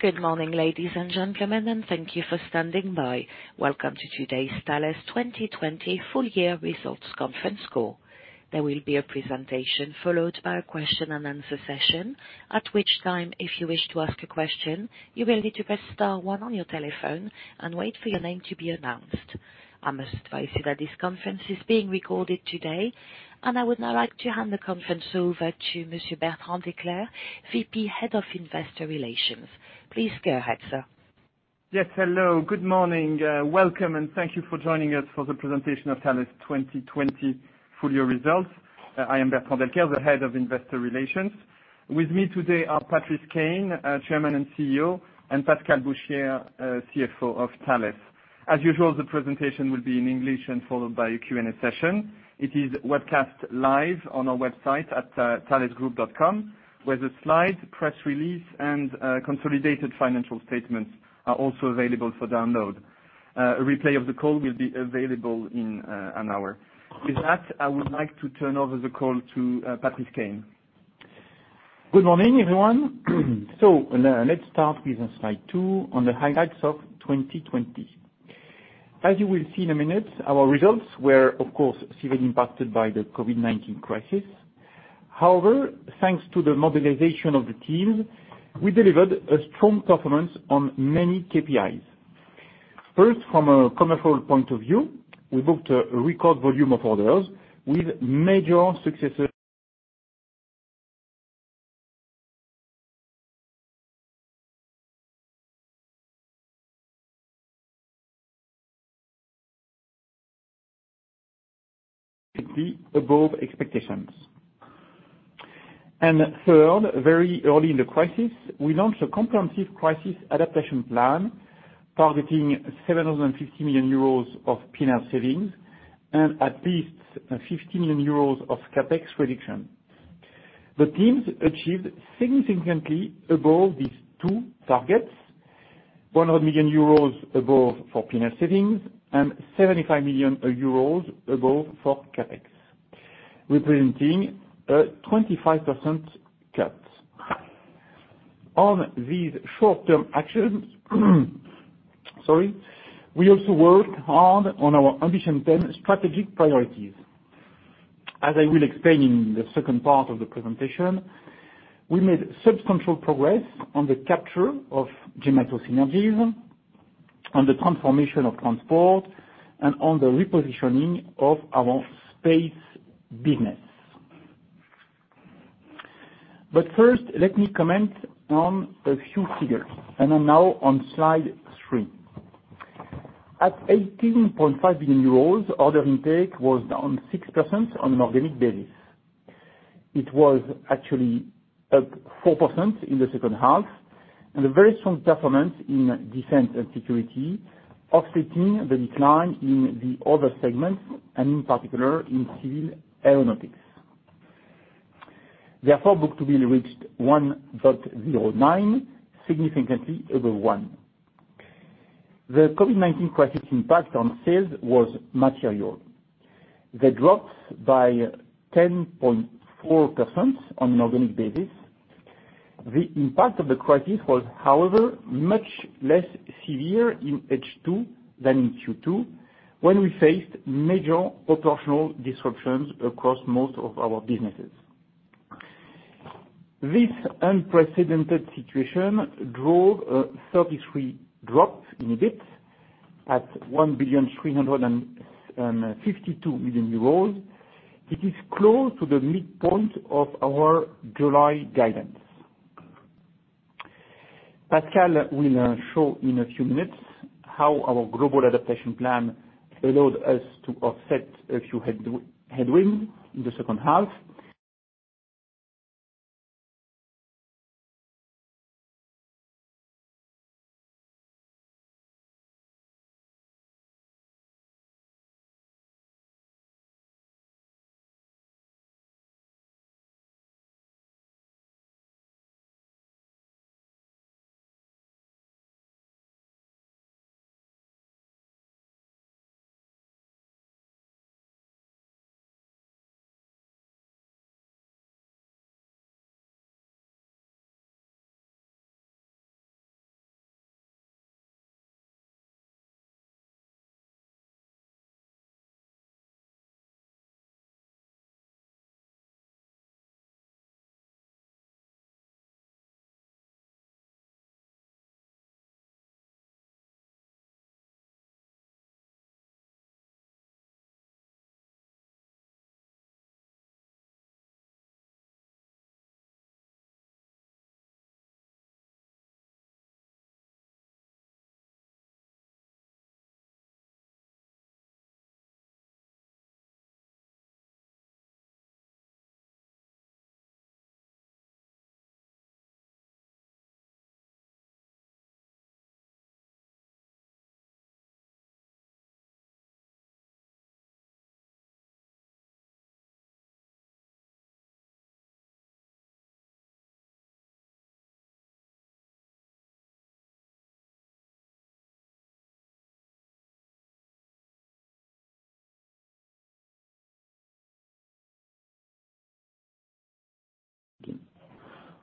Good morning, ladies and gentlemen, and thank you for standing by. Welcome to today's Thales 2020 full-year results conference call. There will be a presentation followed by a question-and-answer session, at which time, if you wish to ask a question, you will need to press star one on your telephone and wait for your name to be announced. I must advise you that this conference is being recorded today. I would now like to hand the conference over to Monsieur Bertrand Delcaire, VP, Head of Investor Relations. Please go ahead, sir. Hello. Good morning, welcome, and thank you for joining us for the presentation of Thales 2020 full-year results. I am Bertrand Delcaire, the Head of Investor Relations. With me today are Patrice Caine, Chairman and CEO, and Pascal Bouchiat, CFO of Thales. As usual, the presentation will be in English and followed by a Q&A session. It is webcast live on our website at thalesgroup.com, where the slides, press release, and consolidated financial statements are also available for download. A replay of the call will be available in an hour. With that, I would like to turn over the call to Patrice Caine. Good morning, everyone. Let's start with slide two on the highlights of 2020. As you will see in a minute, our results were, of course, severely impacted by the COVID-19 crisis. However, thanks to the mobilization of the teams, we delivered a strong performance on many KPIs. First, from a commercial point of view, we booked a record volume of orders with major successes above expectations. Third, very early in the crisis, we launched a comprehensive crisis adaptation plan targeting 750 million euros of P&L savings and at least 50 million euros of CapEx reduction. The teams achieved significantly above these two targets, 100 million euros above for P&L savings and 75 million euros above for CapEx, representing a 25% cut. On these short-term actions, we also worked hard on our Ambition 10 strategic priorities. As I will explain in the second part of the presentation, we made substantial progress on the capture of Gemalto synergies, on the transformation of transport, and on the repositioning of our space business. First, let me comment on a few figures, and now on slide three. At 18.5 billion euros, order intake was down 6% on an organic basis. It was actually up 4% in the second half, a very strong performance in Defense and Security offsetting the decline in the other segments, and in particular, in Civil Aeronautics. Therefore, book-to-bill reached 1.09, significantly above 1. The COVID-19 crisis impact on sales was material. They dropped by 10.4% on an organic basis. The impact of the crisis was, however, much less severe in H2 than in Q2, when we faced major operational disruptions across most of our businesses. This unprecedented situation drove a 33% drop in EBIT at 1.352 billion euros. It is close to the midpoint of our July guidance. Pascal will show in a few minutes how our global adaptation plan allowed us to offset a few headwinds in the second half.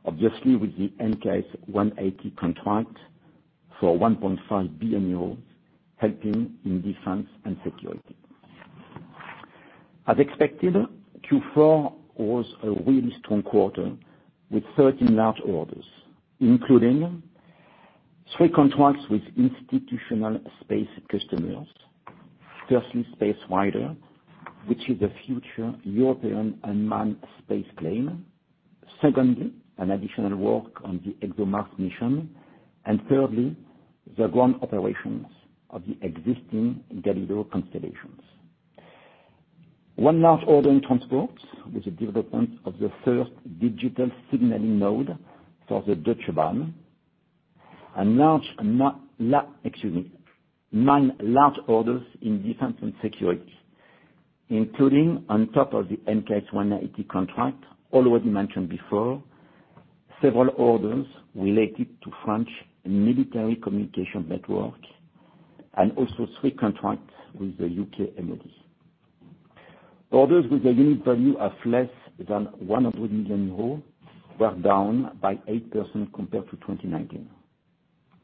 Obviously, with the MKS 180 contract for 1.5 billion euros helping in Defense and Security. As expected, Q4 was a really strong quarter with 13 large orders, including three contracts with institutional space customers. Firstly, Space Rider, which is the future European unmanned spaceplane. Second, an additional work on the ExoMars mission. Thirdly, the ground operations of the existing Galileo constellations. One large order in transport with the development of the first digital signaling node for the Deutsche Bahn. Nine large orders in Defense and Security, including on top of the MKS 180 contract already mentioned before, several orders related to French military communication network and also three contracts with the U.K. MoD. Orders with a unit value of less than 100 million euros were down by 8% compared to 2019.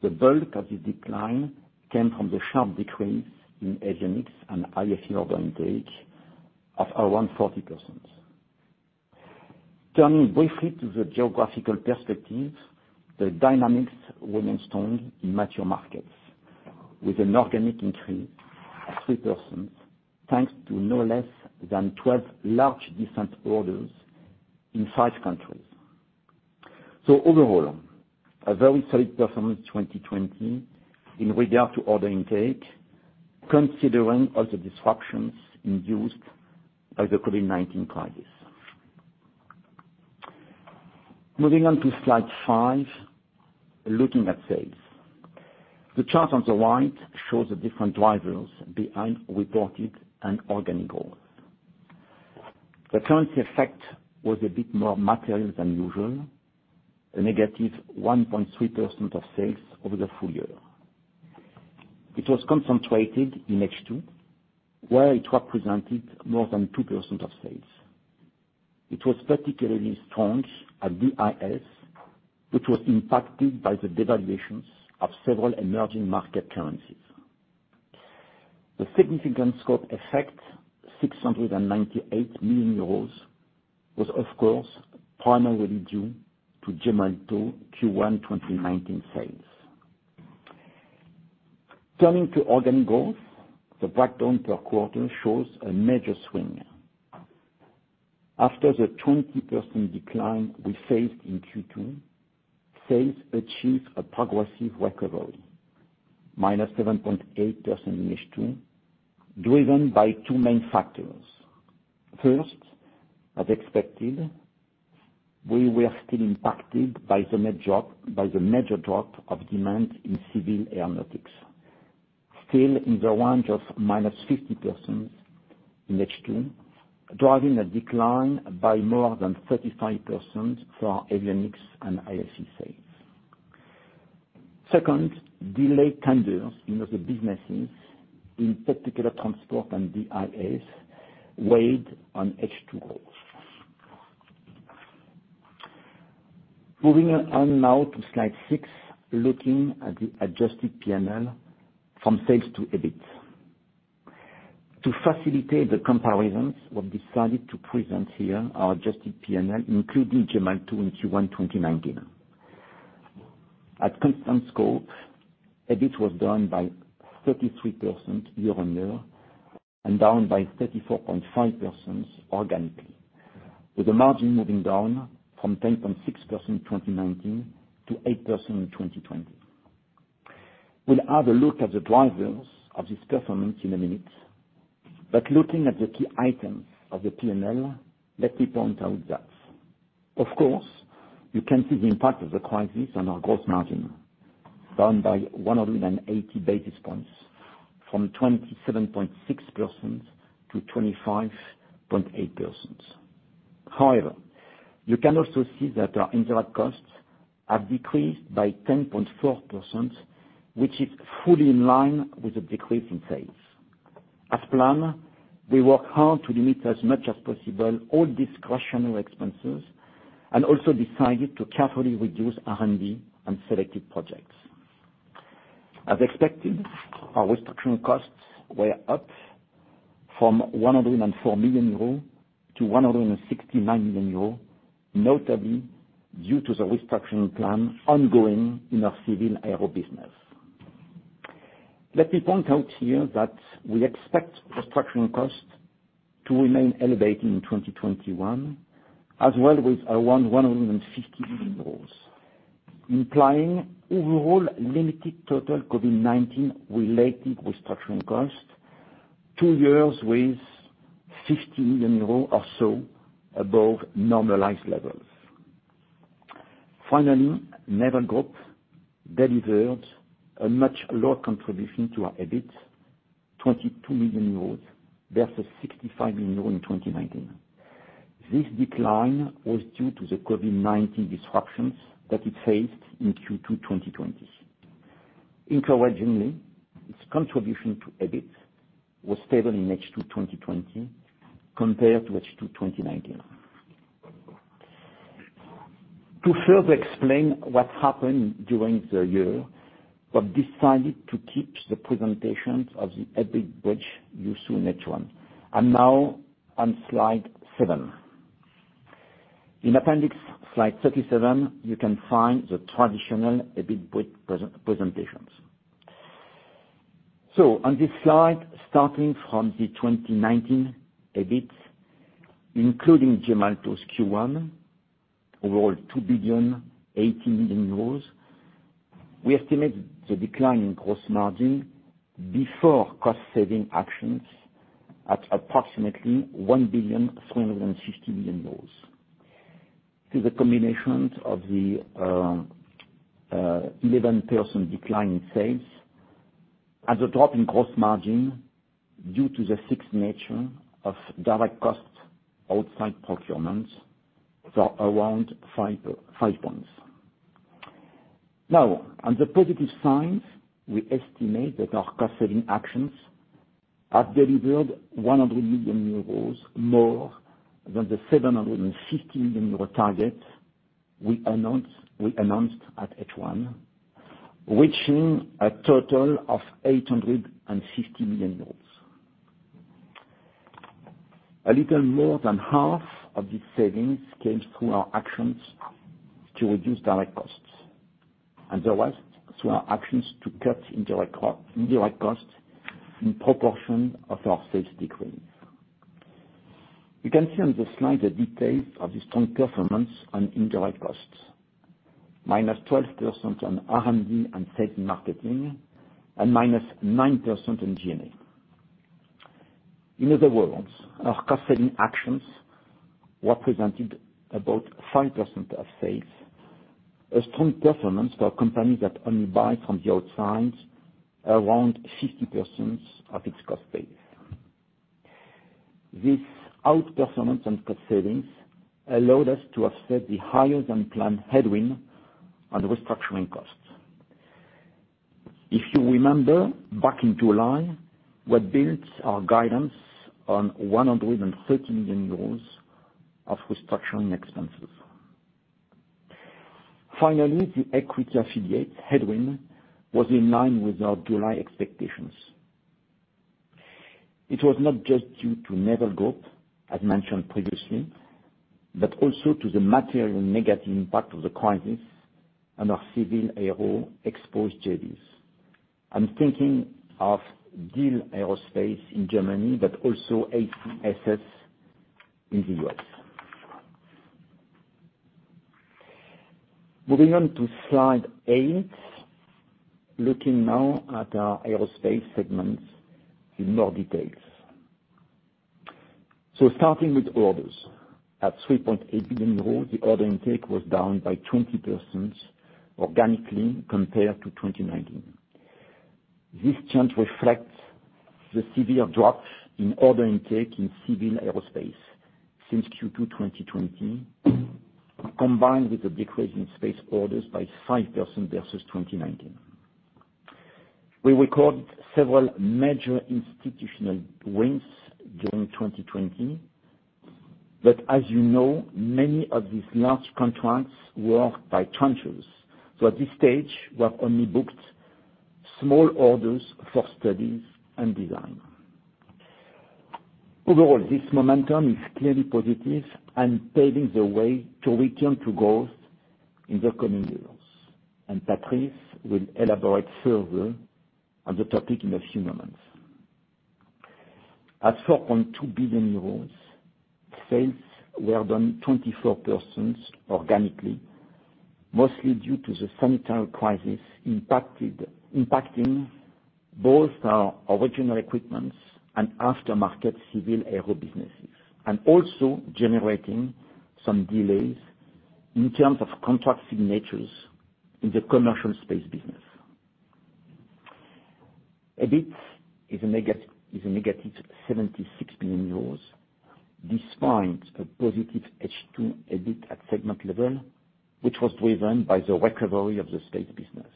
The bulk of the decline came from the sharp decrease in avionics and IFE order intake of around 40%. Turning briefly to the geographical perspective, the dynamics remain strong in mature markets with an organic increase of 3% thanks to no less than 12 large defense orders in five countries. Overall, a very solid performance 2020 in regard to order intake, considering all the disruptions induced by the COVID-19 crisis. Moving on to slide five, looking at sales. The chart on the right shows the different drivers behind reported and organic growth. The currency effect was a bit more material than usual, a -1.3% of sales over the full-year. It was concentrated in H2, where it represented more than 2% of sales. It was particularly strong at DIS, which was impacted by the devaluations of several emerging market currencies. The significant scope effect, 698 million euros, was of course primarily due to Gemalto Q1 2019 sales. Turning to organic growth, the breakdown per quarter shows a major swing. After the 20% decline we faced in Q2, sales achieved a progressive recovery, -7.8% in H2, driven by two main factors. First, as expected, we were still impacted by the major drop of demand in Civil Aeronautics, still in the range of -50% in H2, driving a decline by more than 35% for our avionics and IFE sales. Second, delayed tenders in other businesses, in particular transport and DIS, weighed on H2 growth. Moving on now to slide six, looking at the adjusted P&L from sales to EBIT. To facilitate the comparisons, we've decided to present here our adjusted P&L, including Gemalto in Q1 2019. At constant scope, EBIT was down by 33% year-on-year and down by 34.5% organically, with the margin moving down from 10.6% in 2019 to 8% in 2020. We'll have a look at the drivers of this performance in a minute, but looking at the key items of the P&L, let me point out that, of course, you can see the impact of the crisis on our gross margin, down by 180 basis points from 27.6%-25.8%. However, you can also see that our indirect costs have decreased by 10.4%, which is fully in line with the decrease in sales. As planned, we worked hard to limit as much as possible all discretionary expenses and also decided to carefully reduce R&D on selected projects. As expected, our restructuring costs were up from 104 million-169 million euros, notably due to the restructuring plan ongoing in our Civil Aero business. Let me point out here that we expect restructuring costs to remain elevated in 2021, as well with around 150 million euros, implying overall limited total COVID-19-related restructuring costs, two years with 50 million euros or so above normalized levels. Finally, Naval Group delivered a much lower contribution to our EBIT, 22 million euros versus 65 million euros in 2019. This decline was due to the COVID-19 disruptions that it faced in Q2 2020. Encouragingly, its contribution to EBIT was stable in H2 2020 compared to H2 2019. To further explain what happened during the year, we decided to keep the presentations of the EBIT bridge used in H1 and now on slide seven. In appendix slide 37, you can find the traditional EBIT bridge presentations. On this slide, starting from the 2019 EBIT, including Gemalto's Q1, overall 2 billion and 80 million euros. We estimate the decline in gross margin before cost-saving actions at approximately 1 billion and 360 million euros. To the combination of the 11% decline in sales and the drop in gross margin due to the fixed nature of direct costs outside procurement, around 5 points. On the positive side, we estimate that our cost-saving actions have delivered 100 million euros more than the 750 million euro target we announced at H1, reaching a total of 850 million euros. A little more than half of these savings came through our actions to reduce direct costs, and the rest through our actions to cut indirect costs in proportion of our sales decrease. You can see on the slide the details of the strong performance on indirect costs, -12% on R&D and sales marketing, and -9% in G&A. In other words, our cost-saving actions represented about 5% of sales, a strong performance for a company that only buys from the outside around 50% of its cost base. This outperformance and cost savings allowed us to offset the higher-than-planned headwind on the restructuring costs. If you remember, back in July, we built our guidance on 130 million euros of restructuring expenses. Finally, the equity affiliate headwind was in line with our July expectations. It was not just due to Naval Group, as mentioned previously, but also to the material negative impact of the crisis on our Civil Aero exposed JVs. I'm thinking of Diehl Aerospace in Germany, but also ACSS in the U.S. Moving on to slide eight, looking now at our aerospace segments in more details. Starting with orders. At 3.8 billion euros, the order intake was down by 20% organically compared to 2019. This change reflects the severe drops in order intake in Civil Aerospace since Q2 2020, combined with the decrease in space orders by 5% versus 2019. We recorded several major institutional wins during 2020, but as you know, many of these large contracts were by tranches. At this stage, we have only booked small orders for studies and design. Overall, this momentum is clearly positive and paving the way to return to growth in the coming years, and Patrice will elaborate further on the topic in a few moments. At 4.2 billion euros, sales were down 24% organically, mostly due to the sanitary crisis impacting both our original equipments and aftermarket Civil Aero businesses, and also generating some delays in terms of contract signatures in the commercial space business. EBIT is -76 million euros, despite a positive H2 EBIT at segment level, which was driven by the recovery of the space business.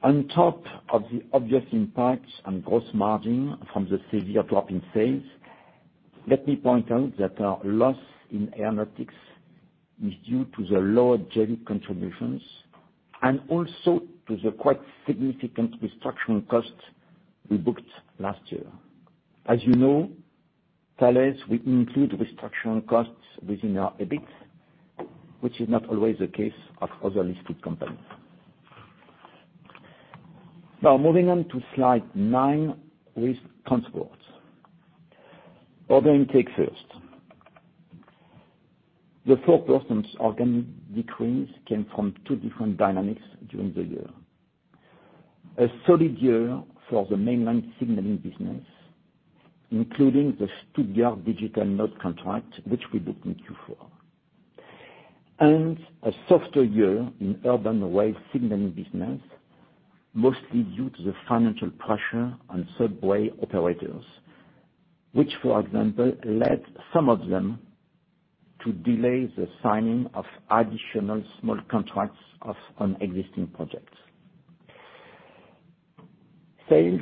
On top of the obvious impact on gross margin from the severe drop in sales, let me point out that our loss in aeronautics is due to the lower JV contributions and also to the quite significant restructuring costs we booked last year. As you know, Thales will include restructuring costs within our EBIT, which is not always the case of other listed companies. Moving on to slide nine with transport. Order intake first. The 4% organic decrease came from two different dynamics during the year. A solid year for the mainland signaling business, including the Stuttgart digital node contract, which we booked in Q4. A softer year in urban rail signaling business. Mostly due to the financial pressure on subway operators, which, for example, led some of them to delay the signing of additional small contracts of an existing project. Sales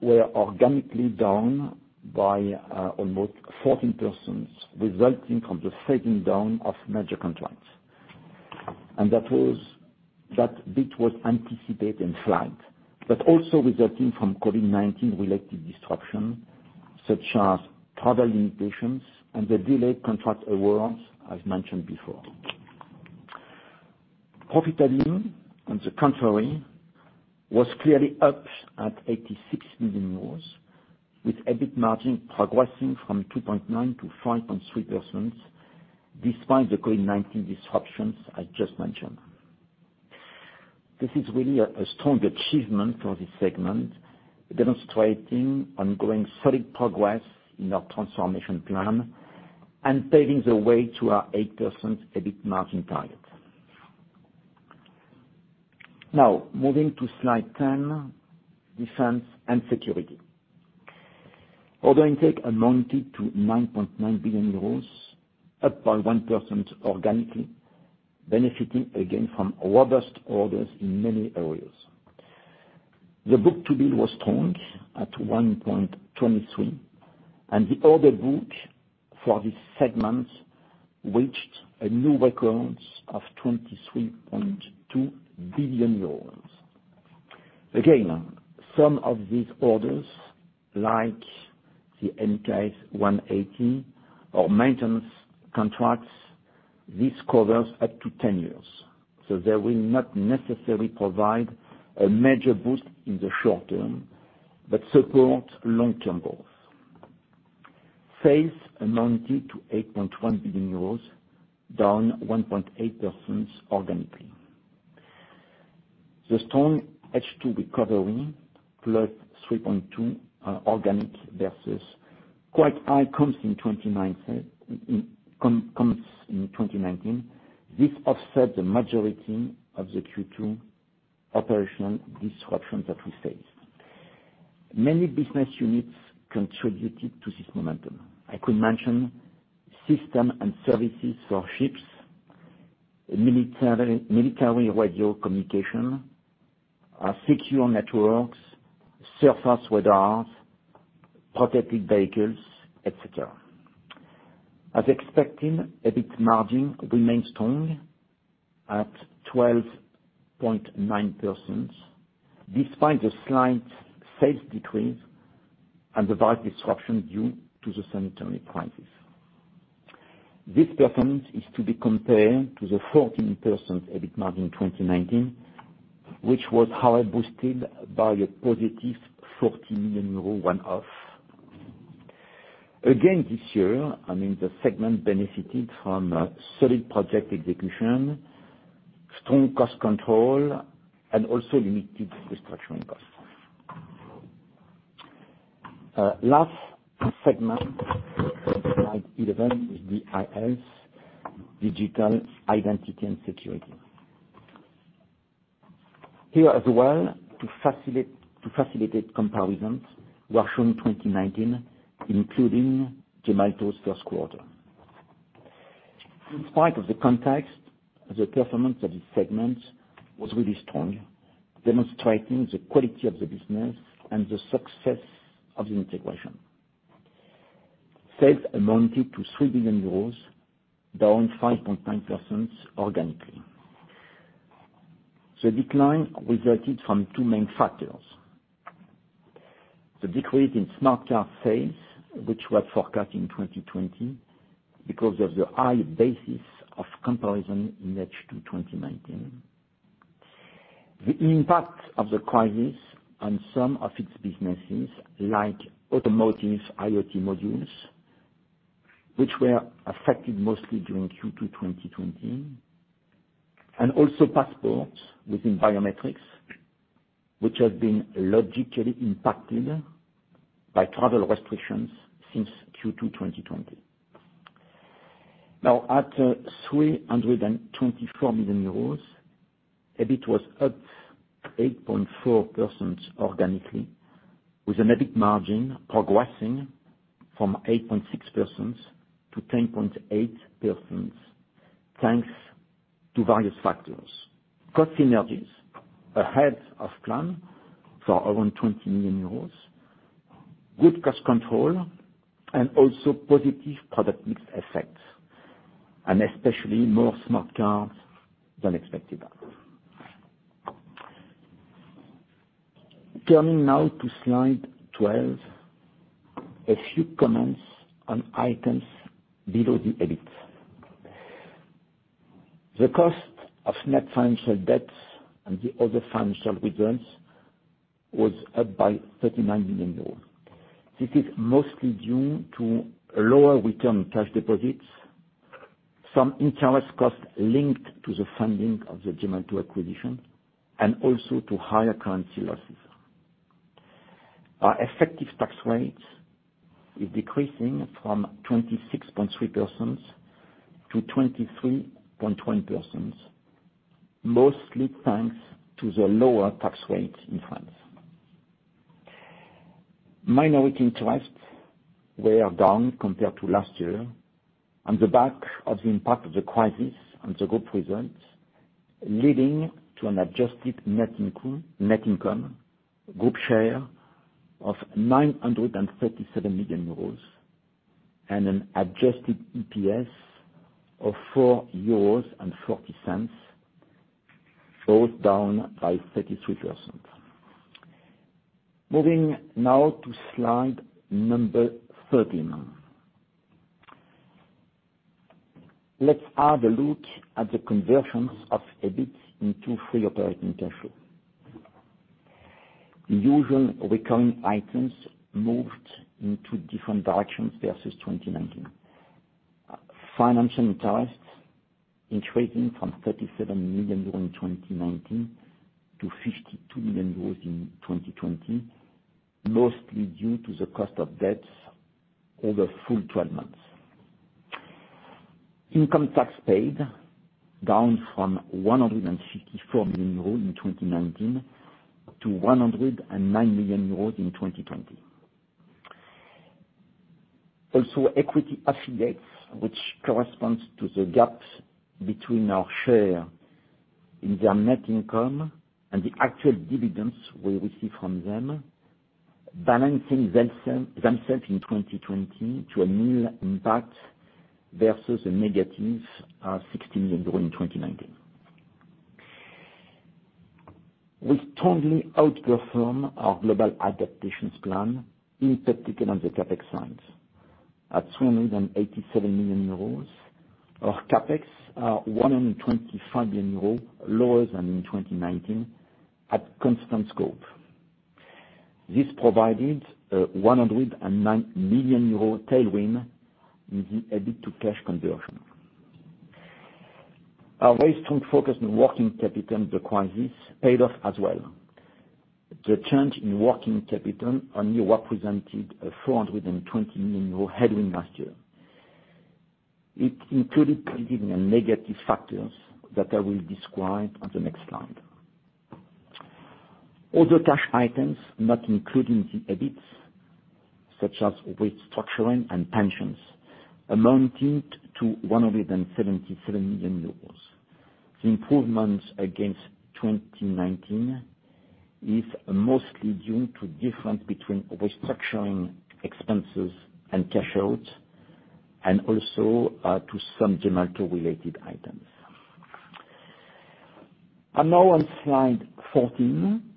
were organically down by almost 14%, resulting from the fading down of major contracts. That bit was anticipated and flagged, but also resulting from COVID-19-related disruption, such as travel limitations and the delayed contract awards, as mentioned before. Profitability, on the contrary, was clearly up at 86 million euros, with EBIT margin progressing from 2.9%-5.3%, despite the COVID-19 disruptions I just mentioned. This is really a strong achievement for this segment, demonstrating ongoing solid progress in our transformation plan and paving the way to our 8% EBIT margin target. Moving to slide 10, Defense and Security. Order intake amounted to 9.9 billion euros, up by 1% organically, benefiting again from robust orders in many areas. The book-to-bill was strong at 1.23, and the order book for this segment reached a new record of 23.2 billion euros. Again, some of these orders, like the MKS 180 or maintenance contracts, these covers up to 10 years. They will not necessarily provide a major boost in the short term, but support long-term goals. Sales amounted to 8.1 billion euros, down 1.8% organically. The strong H2 recovery, plus 3.2% organic versus quite high comps in 2019, this offset the majority of the Q2 operation disruptions that we faced. Many business units contributed to this momentum. I could mention system and services for ships, military radio communication, secure networks, surface radars, protected vehicles, etc. As expected, EBIT margin remained strong at 12.9%, despite the slight sales decrease and the wide disruption due to the sanitary crisis. This performance is to be compared to the 14% EBIT margin in 2019, which was higher boosted by a +40 million euro one-off. Again this year, the segment benefited from solid project execution, strong cost control, and also limited restructuring costs. Last segment, slide 11, is the DIS, Digital Identity and Security. Here as well, to facilitate comparisons, we are showing 2019, including Gemalto's first quarter. In spite of the context, the performance of this segment was really strong, demonstrating the quality of the business and the success of the integration. Sales amounted to 3 billion euros, down 5.9% organically. The decline resulted from two main factors. The decrease in smart card sales, which were forecast in 2020 because of the high basis of comparison in H2 2019. The impact of the crisis on some of its businesses, like automotive IoT modules, which were affected mostly during Q2 2020, and also passports within biometrics, which have been logically impacted by travel restrictions since Q2 2020. Now, at 324 million euros, EBIT was up 8.4% organically, with an EBIT margin progressing from 8.6%-10.8%, thanks to various factors. Cost synergies ahead of plan for around 20 million euros, good cost control, and also positive product mix effects, and especially more smart cards than expected. Turning now to slide 12, a few comments on items below the EBIT. The cost of net financial debts and the other financial results was up by 39 million euros. This is mostly due to lower return cash deposits, some interest costs linked to the funding of the Gemalto acquisition, and also to higher currency losses. Our effective tax rate is decreasing from 26.3%-23.1%, mostly thanks to the lower tax rate in France. Minority interests were down compared to last year on the back of the impact of the crisis on the group results, leading to an adjusted net income group share of 937 million euros and an adjusted EPS of 4.40 euros, both down by 33%. Moving now to slide number 13. Let's have a look at the conversions of EBIT into free operating cash flow. Usual recurring items moved into different directions versus 2019. Financial interests increasing from 37 million euros in 2019 to 52 million euros in 2020, mostly due to the cost of debts over full 12 months. Income tax paid down from 154 million euros in 2019 to 109 million euros in 2020. Equity affiliates, which corresponds to the gaps between our share in their net income and the actual dividends we receive from them, balancing themselves in 2020 to a nil impact versus a -16 million euros in 2019. We strongly outperformed our global adaptations plan, in particular on the CapEx side. At 287 million euros, our CapEx are 125 million euros lower than in 2019 at constant scope. This provided a 109 million euro tailwind in the EBIT to cash conversion. Our very strong focus on working capital in the crisis paid off as well. The change in working capital only represented a 420 million euro headwind last year. It included trading and negative factors that I will describe on the next slide. Other cash items not included in the EBITs, such as restructuring and pensions, amounting to 173 million euros. The improvements against 2019 is mostly due to difference between restructuring expenses and cash outs, and also, to some Gemalto-related items. Now on slide 14,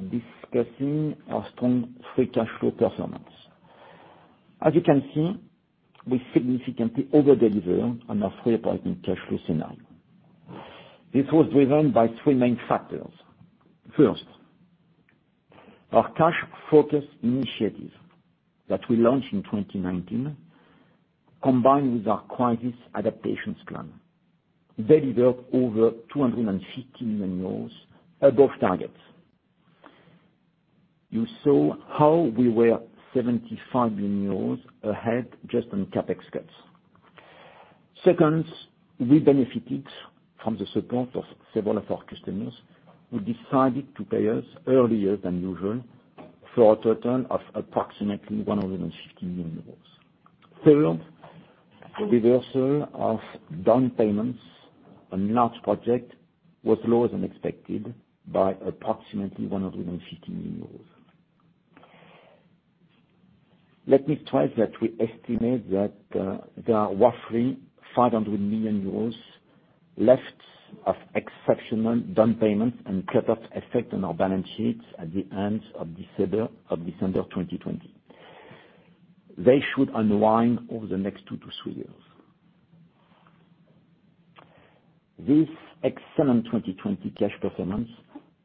discussing our strong free cash flow performance. As you can see, we significantly over-delivered on our free operating cash flow scenario. This was driven by three main factors. First, our cash focus initiatives that we launched in 2019, combined with our crisis adaptations plan. They delivered over 250 million euros above targets. You saw how we were 75 million euros ahead just on CapEx cuts. Second, we benefited from the support of several of our customers who decided to pay us earlier than usual for a total of approximately 150 million euros. Third, reversal of down payments on large project was lower than expected by approximately EUR 150 million. Let me stress that we estimate that there are roughly 500 million euros left of exceptional down payments and cut-off effect on our balance sheets at the end of December 2020. They should unwind over the next two to three years. This excellent 2020 cash performance,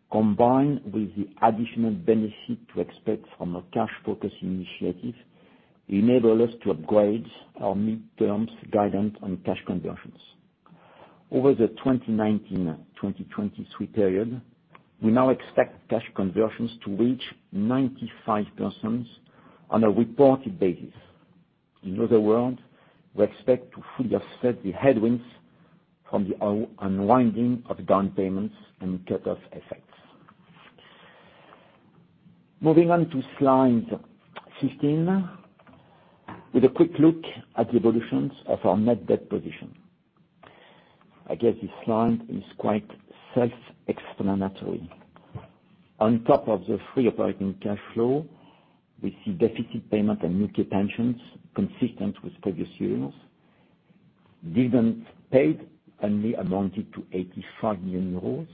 combined with the additional benefit to expect from a cash focus initiative, enable us to upgrade our midterms guidance on cash conversions. Over the 2019-2023 period, we now expect cash conversions to reach 95% on a reported basis. In other words, we expect to fully offset the headwinds from the unwinding of down payments and cut-off effects. Moving on to slide 15, with a quick look at the evolutions of our net debt position. I guess this slide is quite self-explanatory. On top of the free operating cash flow, we see deficit payment and nuclear pensions consistent with previous years. Dividends paid only amounted to 85 million euros,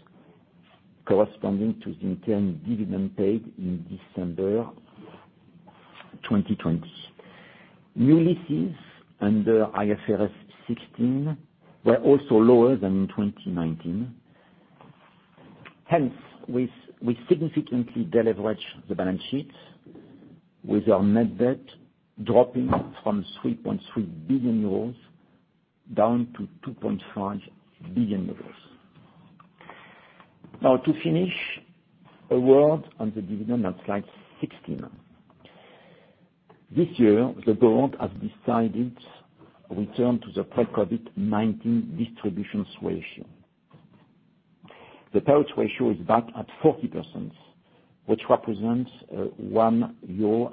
corresponding to the interim dividend paid in December 2020. New leases under IFRS 16 were also lower than 2019, hence we significantly deleveraged the balance sheet. With our net debt dropping from 3.3 billion euros down to 2.5 billion euros. To finish, a word on the dividend on slide 16. This year, the board has decided return to the pre-COVID-19 distribution ratio. The payout ratio is back at 40%, which represents 1.76 euro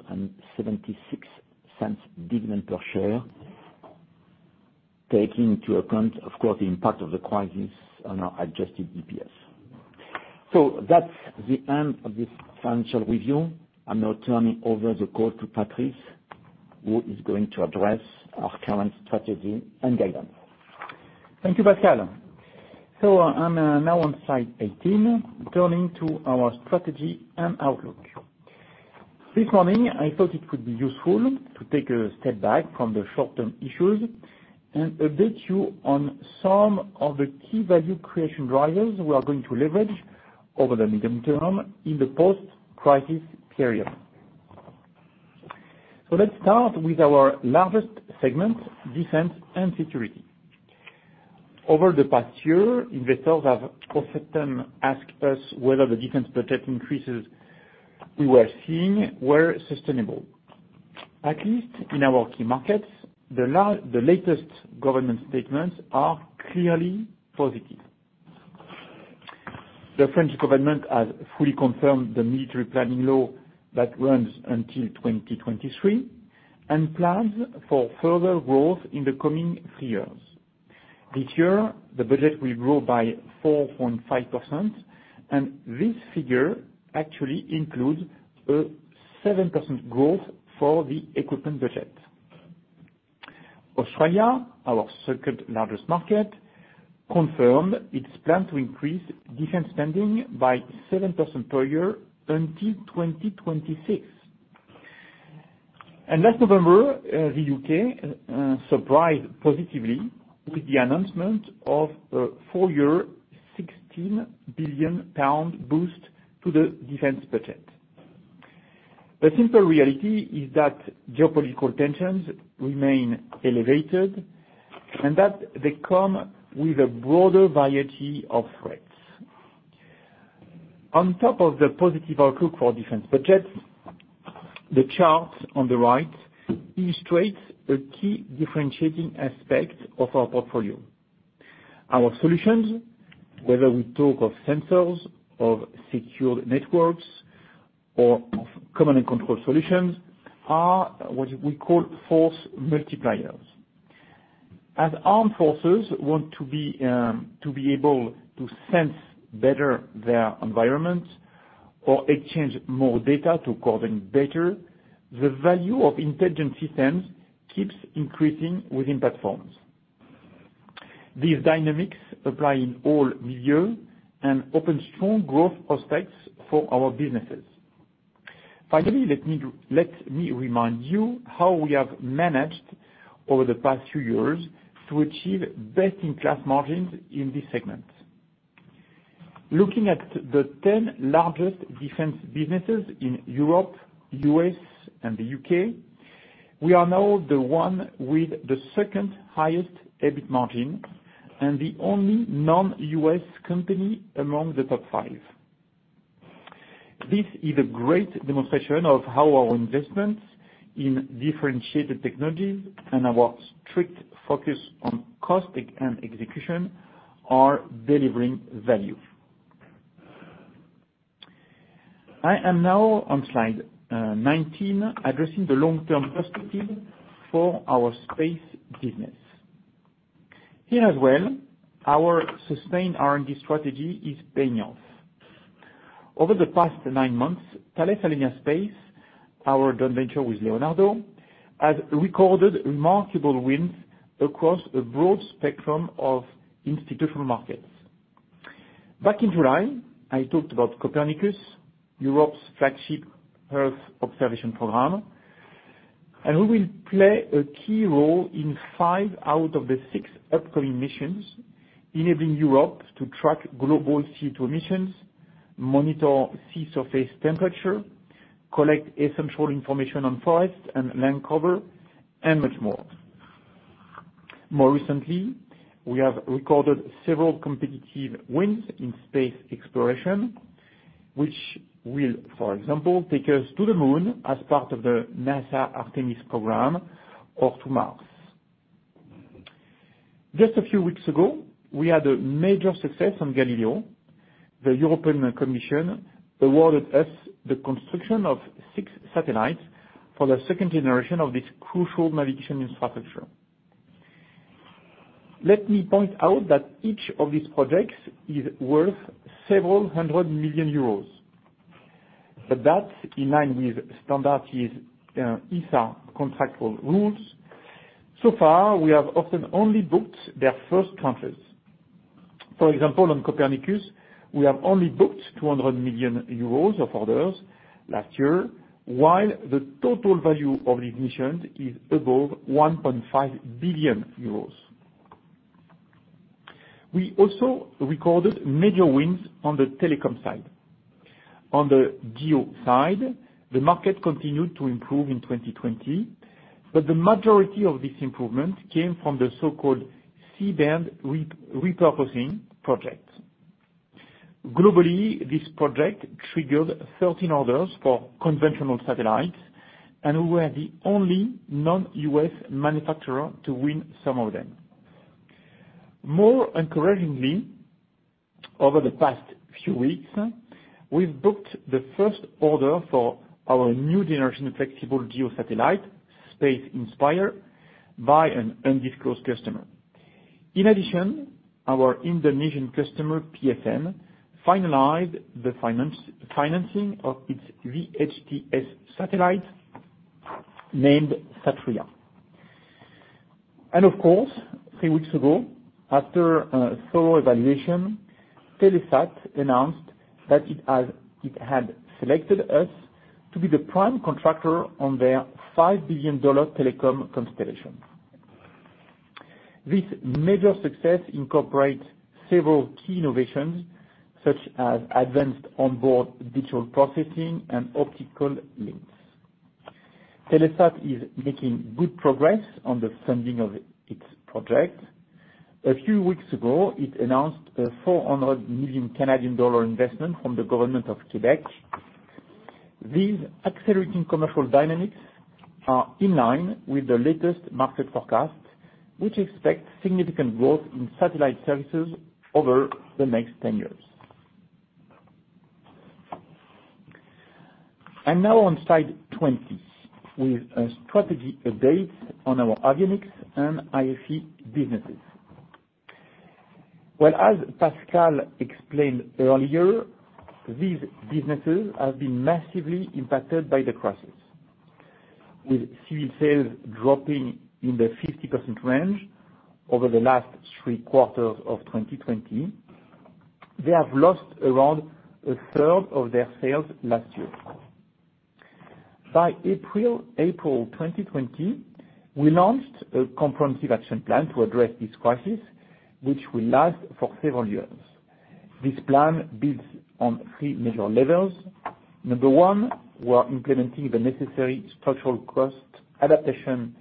dividend per share, taking into account, of course, the impact of the crisis on our adjusted DPS. That's the end of this financial review. I'm now turning over the call to Patrice, who is going to address our current strategy and guidance. Thank you, Pascal. I'm now on slide 18, turning to our strategy and outlook. This morning, I thought it would be useful to take a step back from the short-term issues and update you on some of the key value creation drivers we are going to leverage over the medium term in the post-crisis period. Let's start with our largest segment, Defense and Security. Over the past year, investors have often asked us whether the defense budget increases we were seeing were sustainable. At least in our key markets, the latest government statements are clearly positive. The French government has fully confirmed the military planning law that runs until 2023 and plans for further growth in the coming three years. This year, the budget will grow by 4.5%, and this figure actually includes a 7% growth for the equipment budget. Australia, our second-largest market, confirmed its plan to increase defense spending by 7% per year until 2026. Last November, the U.K. surprised positively with the announcement of a four-year, 16 billion pound boost to the defense budget. The simple reality is that geopolitical tensions remain elevated and that they come with a broader variety of threats. On top of the positive outlook for defense budgets, the chart on the right illustrates a key differentiating aspect of our portfolio. Our solutions, whether we talk of sensors, of secured networks, or of command and control solutions, are what we call force multipliers. As armed forces want to be able to sense better their environment or exchange more data to coordinate better, the value of intelligent systems keeps increasing within platforms. These dynamics apply in all milieu and open strong growth prospects for our businesses. Finally, let me remind you how we have managed, over the past few years, to achieve best-in-class margins in this segment. Looking at the 10 largest defense businesses in Europe, the U.S., and the U.K., we are now the one with the second-highest EBIT margin and the only non-U.S. company among the top five. This is a great demonstration of how our investments in differentiated technologies and our strict focus on cost and execution are delivering value. I am now on slide 19, addressing the long-term perspective for our space business. Here as well, our sustained R&D strategy is paying off. Over the past nine months, Thales Alenia Space, our joint venture with Leonardo, has recorded remarkable wins across a broad spectrum of institutional markets. Back in July, I talked about Copernicus, Europe's flagship Earth observation program, and we will play a key role in five out of the six upcoming missions, enabling Europe to track global CO2 emissions, monitor sea surface temperature, collect essential information on forest and land cover, and much more. More recently, we have recorded several competitive wins in space exploration, which will, for example, take us to the Moon as part of the NASA Artemis program or to Mars. Just a few weeks ago, we had a major success on Galileo. The European Commission awarded us the construction of six satellites for the second generation of this crucial navigation infrastructure. Let me point out that each of these projects is worth several hundred million euros. That's in line with standard ESA contractual rules. So far, we have often only booked their first transfers. For example, on Copernicus, we have only booked 200 million euros of orders last year, while the total value of the acquisition is above 1.5 billion euros. We also recorded major wins on the telecom side. On the GEO side, the market continued to improve in 2020, but the majority of this improvement came from the so-called C-Band Repurposing Project. Globally, this project triggered 13 orders for conventional satellites, and we were the only non-U.S. manufacturer to win some of them. More encouragingly, over the past few weeks, we've booked the first order for our new generation flexible GEO satellite Space Inspire by an undisclosed customer. In addition, our Indonesian customer, PSN, finalized the financing of its VHTS satellite named SATRIA. Of course, three weeks ago, after a thorough evaluation, Telesat announced that it had selected us to be the prime contractor on their $5 billion telecom constellation. This major success incorporates several key innovations, such as advanced onboard digital processing and optical links. Telesat is making good progress on the funding of its project. A few weeks ago, it announced a 400 million Canadian dollar investment from the government of Quebec. These accelerating commercial dynamics are in line with the latest market forecast, which expects significant growth in satellite services over the next 10 years. Now on slide 20 with a strategy update on our avionics and IFE businesses. Well, as Pascal explained earlier, these businesses have been massively impacted by the crisis. With civil sales dropping in the 50% range over the last three quarters of 2020, they have lost around 1/3 of their sales last year. By April 2020, we launched a comprehensive action plan to address this crisis, which will last for several years. This plan builds on three major levels. Number one, we are implementing the necessary structural cost adaptation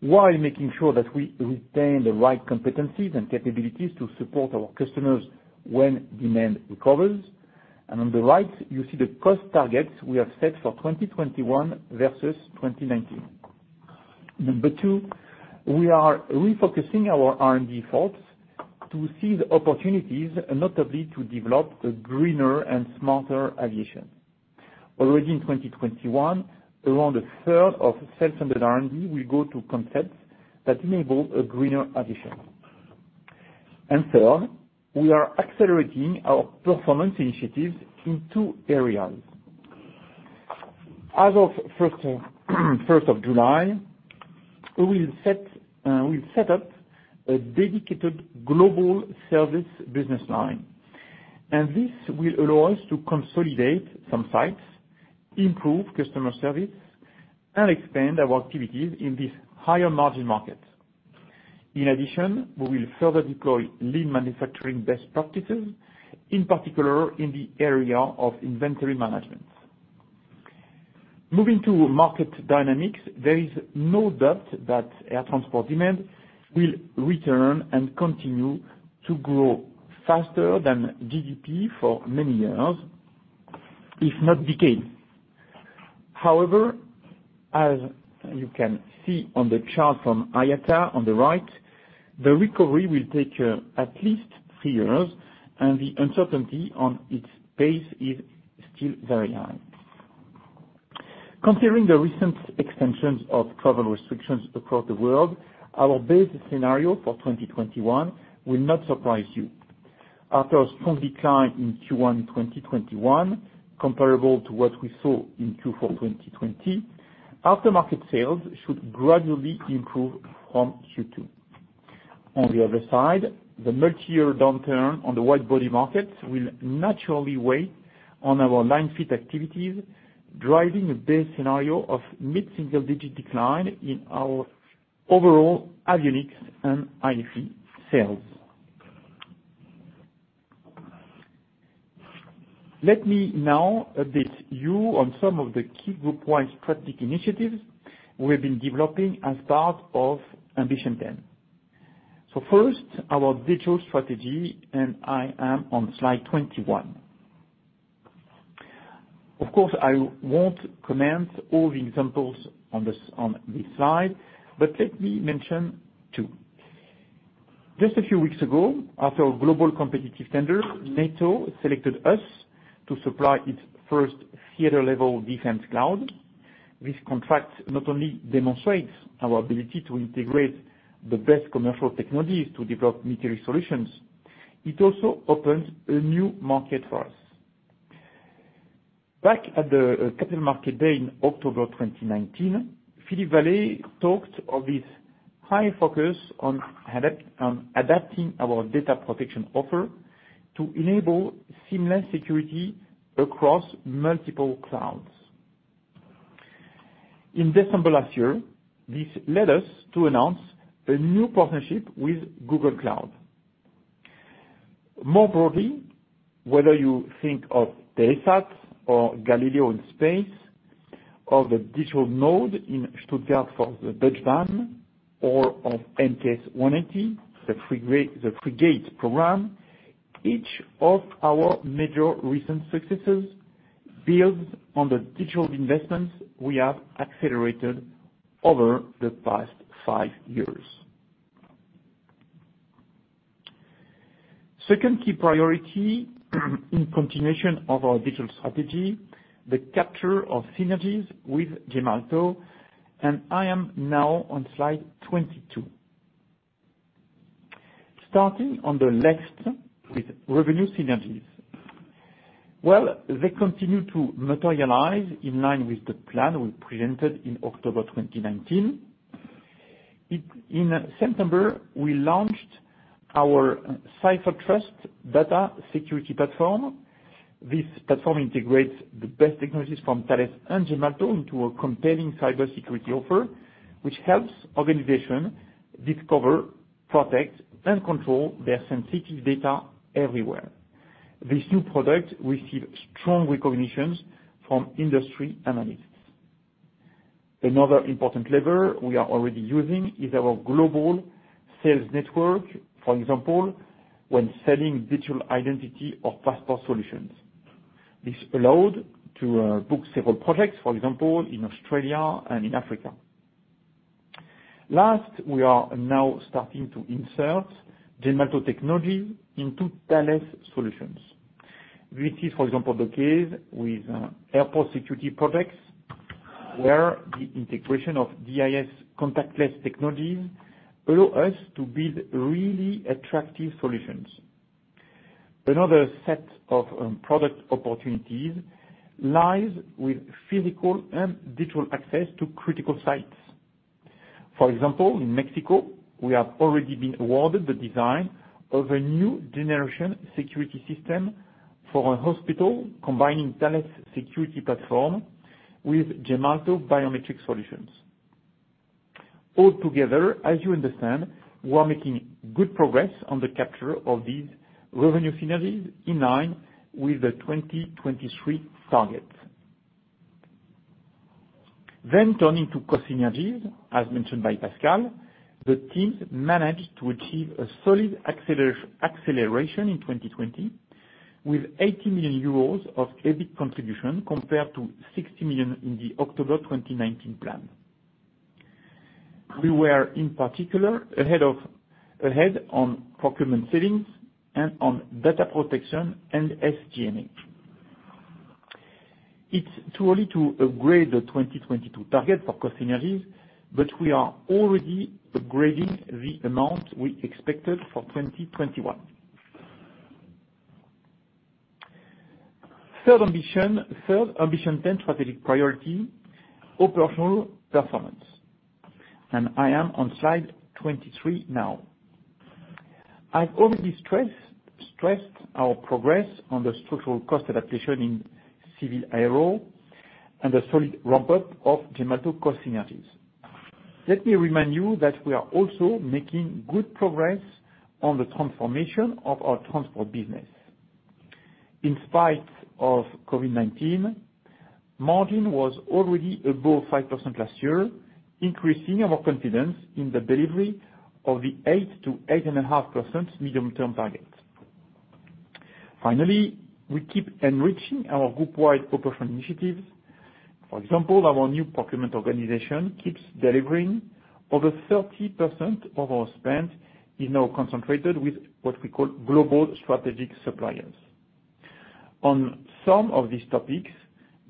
while making sure that we retain the right competencies and capabilities to support our customers when demand recovers. On the right, you see the cost targets we have set for 2021 versus 2019. Number two, we are refocusing our R&D efforts to seize opportunities, notably to develop a greener and smarter aviation. Already in 2021, around 1/3 of sales under R&D will go to concepts that enable a greener aviation. Third, we are accelerating our performance initiatives in two areas. As of 1st of July, we've set up a dedicated global service business line, and this will allow us to consolidate some sites, improve customer service, and expand our activities in this higher margin market. In addition, we will further deploy lean manufacturing best practices, in particular in the area of inventory management. Moving to market dynamics, there is no doubt that air transport demand will return and continue to grow faster than GDP for many years, if not decades. As you can see on the chart from IATA on the right, the recovery will take at least three years, and the uncertainty on its pace is still very high. Considering the recent extensions of travel restrictions across the world, our base scenario for 2021 will not surprise you. After a strong decline in Q1 2021, comparable to what we saw in Q4 2020, after-market sales should gradually improve from Q2. On the other side, the multi-year downturn on the wide-body markets will naturally weigh on our line fit activities, driving a base scenario of mid-single-digit decline in our overall avionics and IFE sales. Let me now update you on some of the key group-wide strategic initiatives we've been developing as part of Ambition 10. First, our digital strategy, and I am on slide 21. Of course, I won't comment all the examples on this slide, but let me mention two. Just a few weeks ago, after a global competitive tender, NATO selected us to supply its first theater-level defense cloud. This contract not only demonstrates our ability to integrate the best commercial technologies to develop military solutions, it also opens a new market for us. Back at the Capital Markets Day in October 2019, Philippe Vallée talked of this high focus on adapting our data protection offer to enable seamless security across multiple clouds. In December last year, this led us to announce a new partnership with Google Cloud. More broadly, whether you think of Telesat or Galileo in space, or the digital node in Stuttgart for the Deutsche Bahn, or of MKS 180, the frigate program, each of our major recent successes builds on the digital investments we have accelerated over the past five years. Second key priority in continuation of our digital strategy, the capture of synergies with Gemalto. I am now on slide 22. Starting on the left with revenue synergies. They continue to materialize in line with the plan we presented in October 2019. In September, we launched our CipherTrust Data Security Platform. This platform integrates the best technologies from Thales and Gemalto into a compelling cybersecurity offer, which helps organizations discover, protect, and control their sensitive data everywhere. This new product received strong recognitions from industry analysts. Another important lever we are already using is our global sales network. For example, when selling digital identity or passport solutions. This allowed to book several projects, for example, in Australia and in Africa. Last, we are now starting to insert Gemalto technology into Thales solutions. This is, for example, the case with airport security products, where the integration of DIS contactless technologies allow us to build really attractive solutions. Another set of product opportunities lies with physical and digital access to critical sites. For example, in Mexico, we have already been awarded the design of a new generation security system for a hospital combining Thales security platform with Gemalto biometrics solutions. All together, as you understand, we are making good progress on the capture of these revenue synergies in line with the 2023 targets. Turning to cost synergies, as mentioned by Pascal, the teams managed to achieve a solid acceleration in 2020, with 80 million euros of EBIT contribution compared to 60 million in the October 2019 plan. We were, in particular, ahead on procurement savings and on data protection and SG&A. It's too early to upgrade the 2022 target for cost synergies, but we are already upgrading the amount we expected for 2021. Third Ambition 10 strategic priority, operational performance. I am on slide 23 now. I've already stressed our progress on the structural cost adaptation in Civil Aero and the solid ramp-up of Gemalto cost synergies. Let me remind you that we are also making good progress on the transformation of our transport business. In spite of COVID-19, margin was already above 5% last year, increasing our confidence in the delivery of the 8%-8.5% medium-term target. Finally, we keep enriching our groupwide operational initiatives. For example, our new procurement organization keeps delivering. Over 30% of our spend is now concentrated with what we call global strategic suppliers. On some of these topics,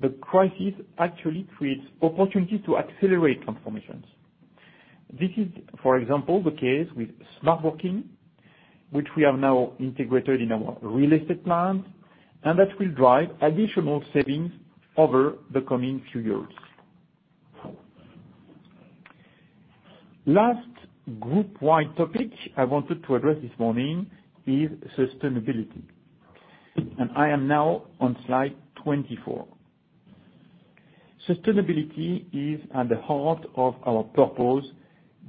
the crisis actually creates opportunities to accelerate transformations. This is, for example, the case with smart working, which we have now integrated in our real estate plan. That will drive additional savings over the coming few years. Last groupwide topic I wanted to address this morning is sustainability. I am now on slide 24. Sustainability is at the heart of our purpose,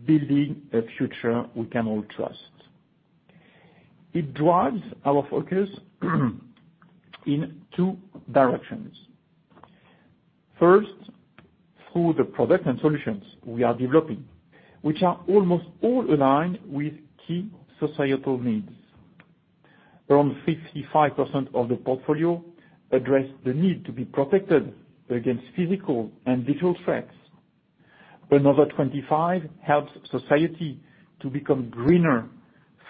building a future we can all trust. It drives our focus in two directions. First, through the products and solutions we are developing, which are almost all aligned with key societal needs. Around 55% of the portfolio address the need to be protected against physical and digital threats. Another 25% helps society to become greener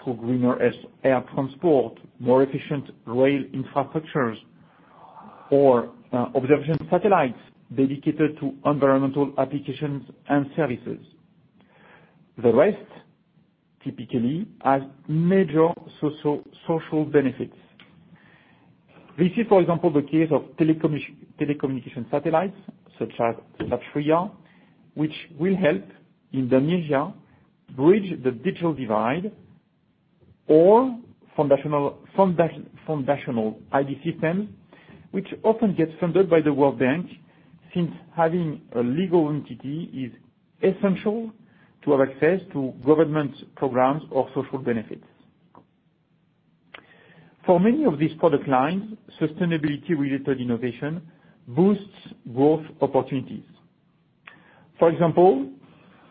through greener air transport, more efficient rail infrastructures, or observation satellites dedicated to environmental applications and services. The rest typically has major social benefits. This is, for example, the case of telecommunication satellites, such as SATRIA, which will help Indonesia bridge the digital divide. Foundational ID systems, which often get funded by the World Bank, since having a legal entity is essential to have access to government programs or social benefits. For many of these product lines, sustainability-related innovation boosts growth opportunities. For example,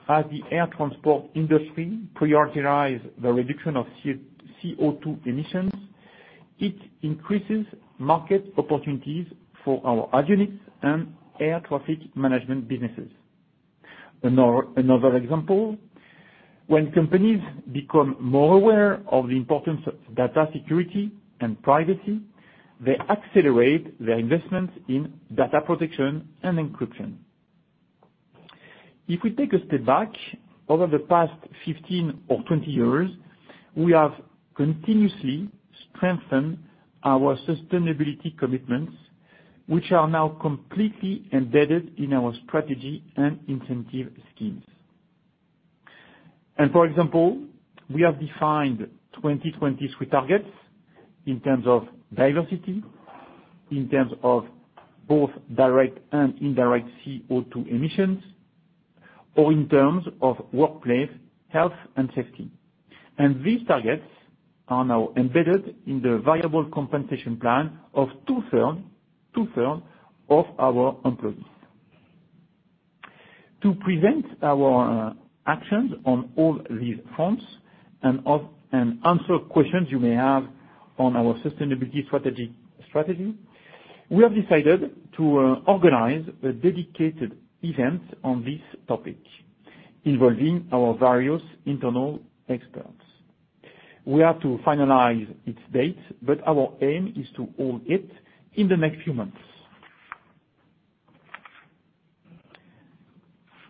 as the air transport industry prioritize the reduction of CO2 emissions, it increases market opportunities for our avionics and air traffic management businesses. Another example. When companies become more aware of the importance of data security and privacy, they accelerate their investments in data protection and encryption. If we take a step back, over the past 15 or 20 years, we have continuously strengthened our sustainability commitments, which are now completely embedded in our strategy and incentive schemes. For example, we have defined 2023 targets in terms of diversity, in terms of both direct and indirect CO2 emissions, or in terms of workplace health and safety. These targets are now embedded in the variable compensation plan of 2/3 of our employees. To present our actions on all these fronts and answer questions you may have on our sustainability strategy, we have decided to organize a dedicated event on this topic, involving our various internal experts. We have to finalize its date, but our aim is to hold it in the next few months.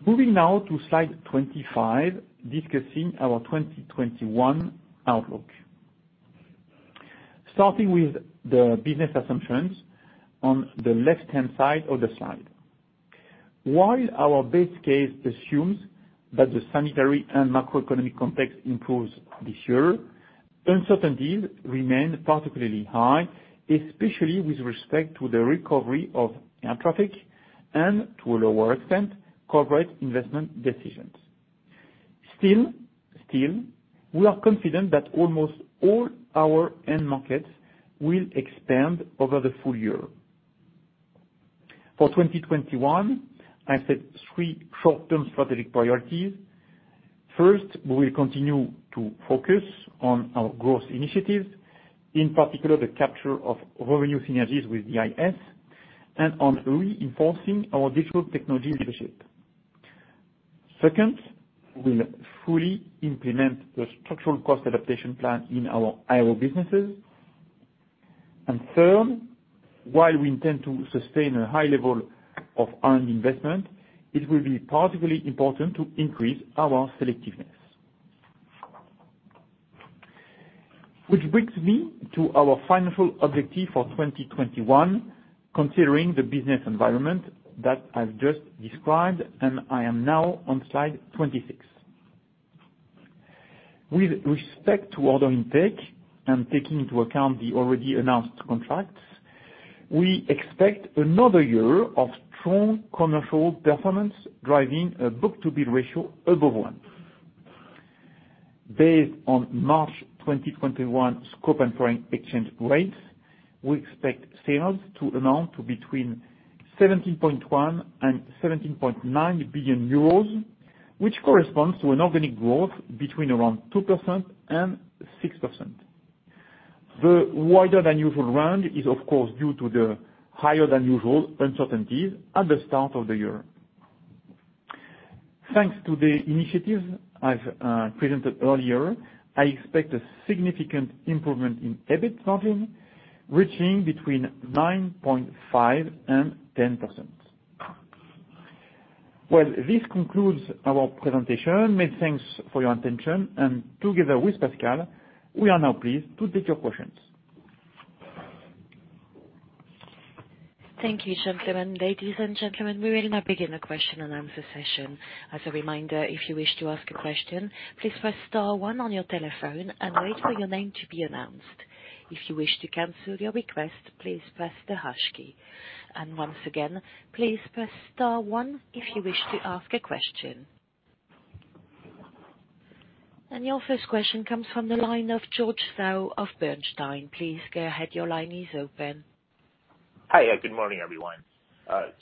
Moving now to slide 25, discussing our 2021 outlook. Starting with the business assumptions on the left-hand side of the slide. While our base case assumes that the sanitary and macroeconomic context improves this year, uncertainties remain particularly high, especially with respect to the recovery of air traffic and, to a lower extent, corporate investment decisions. Still, we are confident that almost all our end markets will expand over the full-year. For 2021, I set three short-term strategic priorities. First, we will continue to focus on our growth initiatives, in particular the capture of revenue synergies with DIS, and on reinforcing our digital technology leadership. Second, we'll fully implement the structural cost adaptation plan in our Aero businesses. Third, while we intend to sustain a high level of earned investment, it will be particularly important to increase our selectiveness. Which brings me to our financial objective for 2021, considering the business environment that I've just described, and I am now on slide 26. With respect to order intake and taking into account the already announced contracts, we expect another year of strong commercial performance, driving a book-to-bill ratio above one. Based on March 2021 scope and foreign exchange rates, we expect sales to amount to between 17.1 billion and 17.9 billion euros, which corresponds to an organic growth between around 2% and 6%. The wider than usual range is of course due to the higher than usual uncertainties at the start of the year. Thanks to the initiatives I've presented earlier, I expect a significant improvement in EBIT margin, reaching between 9.5% and 10%. Well, this concludes our presentation. Many thanks for your attention, and together with Pascal, we are now pleased to take your questions. Thank you, gentlemen. Ladies and gentlemen, we will now begin the question-and-answer session. As a reminder, if you wish to ask a question, please press star one on your telephone and wait for your name to be announced. If you wish to cancel your request, please press the hash key. Once again, please press star one if you wish to ask a question. Your first question comes from the line of George Zhao of Bernstein. Please go ahead, your line is open. Hi. Good morning, everyone.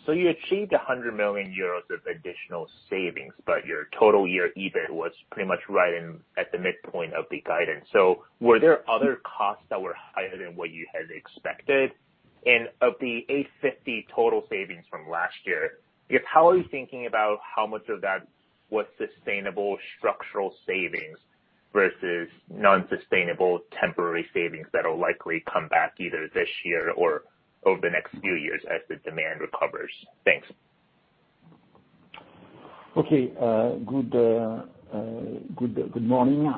You achieved 100 million euros of additional savings, but your total year EBIT was pretty much right at the midpoint of the guidance. Were there other costs that were higher than what you had expected? Of the 850 total savings from last year, how are you thinking about how much of that was sustainable structural savings versus non-sustainable temporary savings that will likely come back either this year or over the next few years as the demand recovers? Thanks. Okay. Good morning,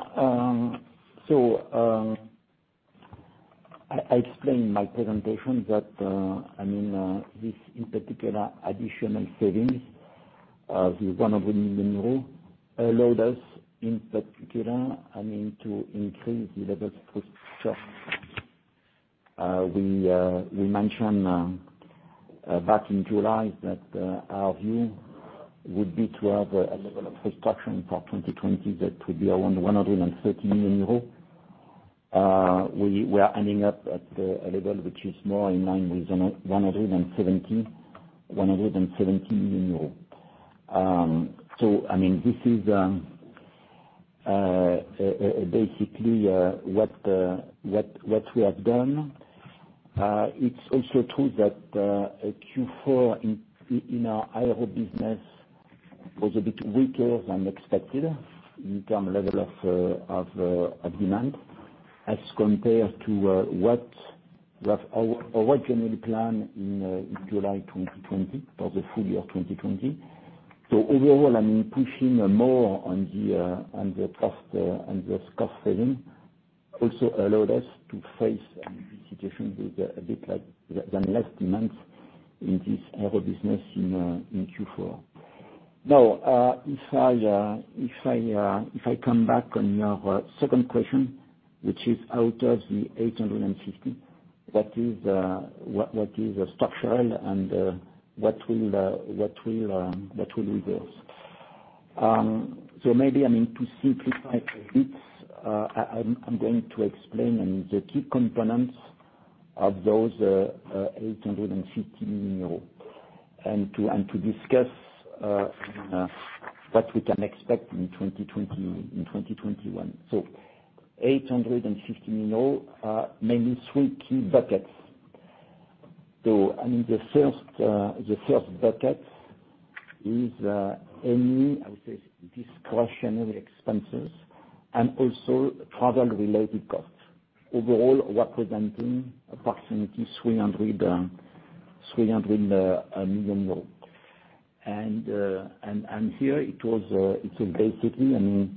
I explained in my presentation that this, in particular, additional savings of the 100 million euros allowed us, in particular, to increase the level of restructuring charges. We mentioned back in July that our view would be to have a level of restructuring charges for 2020 that would be around 130 million euro. We are ending up at a level which is more in line with 170 million euros. This is basically what we have done. It's also true that Q4 in our Aero business was a bit weaker than expected in terms of level of demand as compared to what we originally planned in July 2020 for the full-year 2020. Overall, pushing more on the cost saving also allowed us to face this situation with a bit less demand in this Aero business in Q4. If I come back on your second question, which is out of the 850, what is structural and what will reverse? Maybe, I mean, to simplify a bit, I'm going to explain the key components of those 850 million euros and to discuss what we can expect in 2021. 850 million, mainly three key buckets. The first bucket is any, I would say, discretionary expenses and also travel-related costs, overall representing approximately EUR 300 million. Here it was basically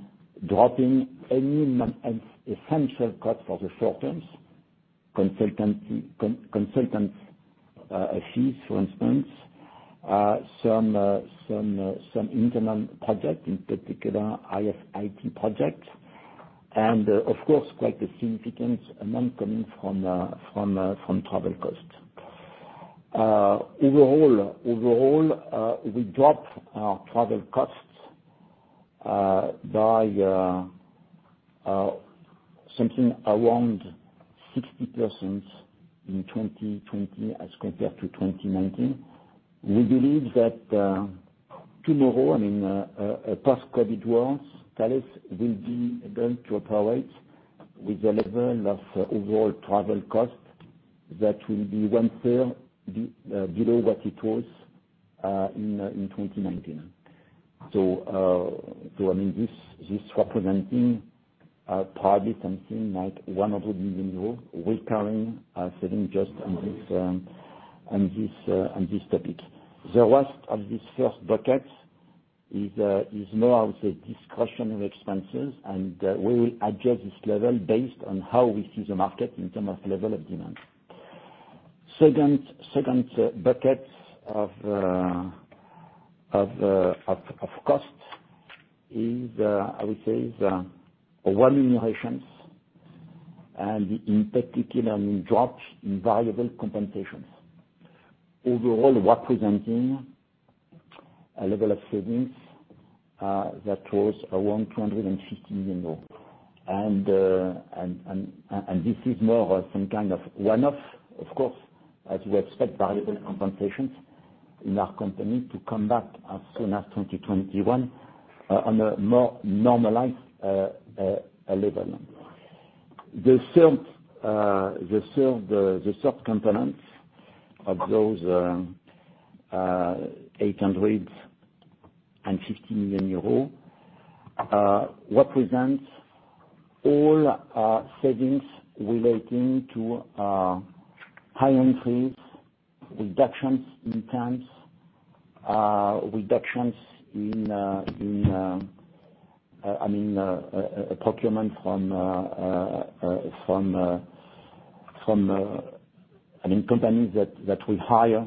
dropping any non-essential cut for the short term. Consultant fees, for instance. Some internal projects, in particular, IS/IT projects, and of course, quite a significant amount coming from travel costs. Overall, we dropped our travel costs by something around 60% in 2020 as compared to 2019. We believe that tomorrow, post-COVID worlds, Thales will be able to operate with a level of overall travel costs that will be 1/3 below what it was in 2019. This representing probably something like 100 million euros recurring saving just on this topic. The rest of this first bucket is more of the discretionary expenses, and we will adjust this level based on how we see the market in terms of level of demand. Second bucket of costs is, I would say, one, remunerations, and in particular, drops in variable compensations. Overall, representing a level of savings that was around 250 million. This is more of some kind of one-off, of course, as we expect variable compensations in our company to come back as soon as 2021 on a more normalized level. The third component of those 850 million euros represents all savings relating to hiring freeze, reductions in terms, reductions in procurement from companies that we hire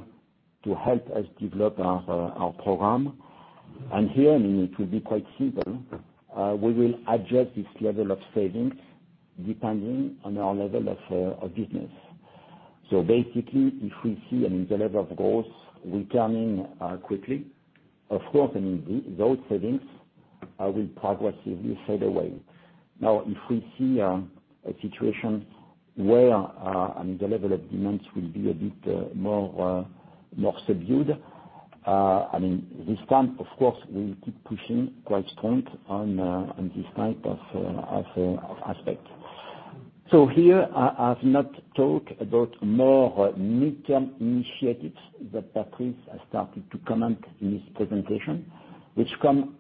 to help us develop our program. Here, it will be quite simple. We will adjust this level of savings depending on our level of business. Basically, if we see the level of growth returning quickly, of course, those savings will progressively fade away. If we see a situation where the level of demands will be a bit more subdued, this time, of course, we will keep pushing quite strong on this type of aspect. Here, I have not talked about more mid-term initiatives that Patrice has started to comment in his presentation, which come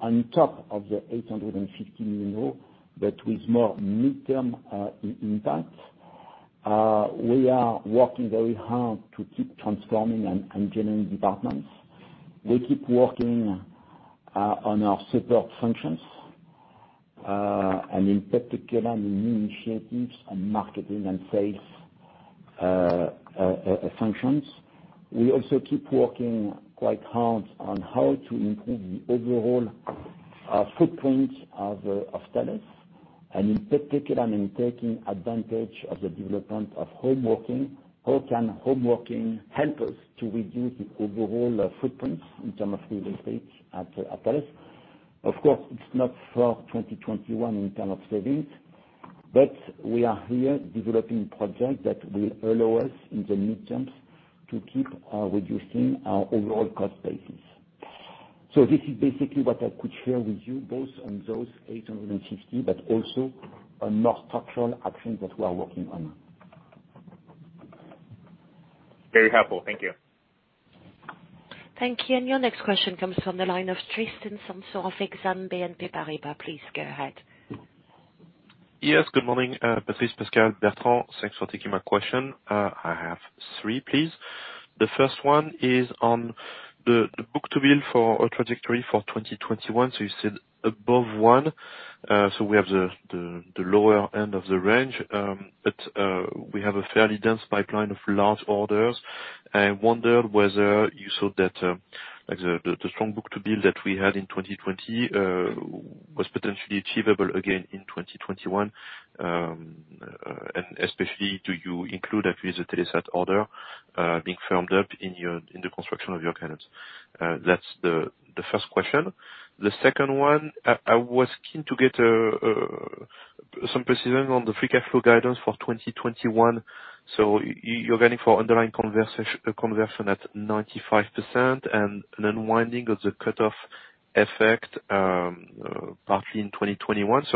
on top of the 850 million euro, but with more mid-term impact. We are working very hard to keep transforming and generating advancements. We keep working on our support functions, in particular, in new initiatives on marketing and sales functions. We also keep working quite hard on how to improve the overall footprint of Thales, and in particular, in taking advantage of the development of home working, how can home working help us to reduce the overall footprints in terms of real estate at Thales? Of course, it's not for 2021 in terms of savings. We are here developing projects that will allow us in the midterms to keep reducing our overall cost basis. This is basically what I could share with you, both on those 850 million but also on more structural actions that we are working on. Very helpful. Thank you. Thank you. Your next question comes from the line of Tristan Sanson of Exane BNP Paribas. Please go ahead. Yes, good morning, Patrice, Pascal, Bertrand. Thanks for taking my question. I have three, please. The first one is on the book-to-bill for our trajectory for 2021. You said above 1. We have the lower end of the range, but we have a fairly dense pipeline of large orders. I wonder whether you saw that the strong book-to-bill that we had in 2020 was potentially achievable again in 2021. Especially, do you include that Telesat order being firmed up in the construction of your guidance? That's the first question. The second one, I was keen to get some precision on the free cash flow guidance for 2021. You're going for underlying conversion at 95% and an unwinding of the cutoff effect partly in 2021.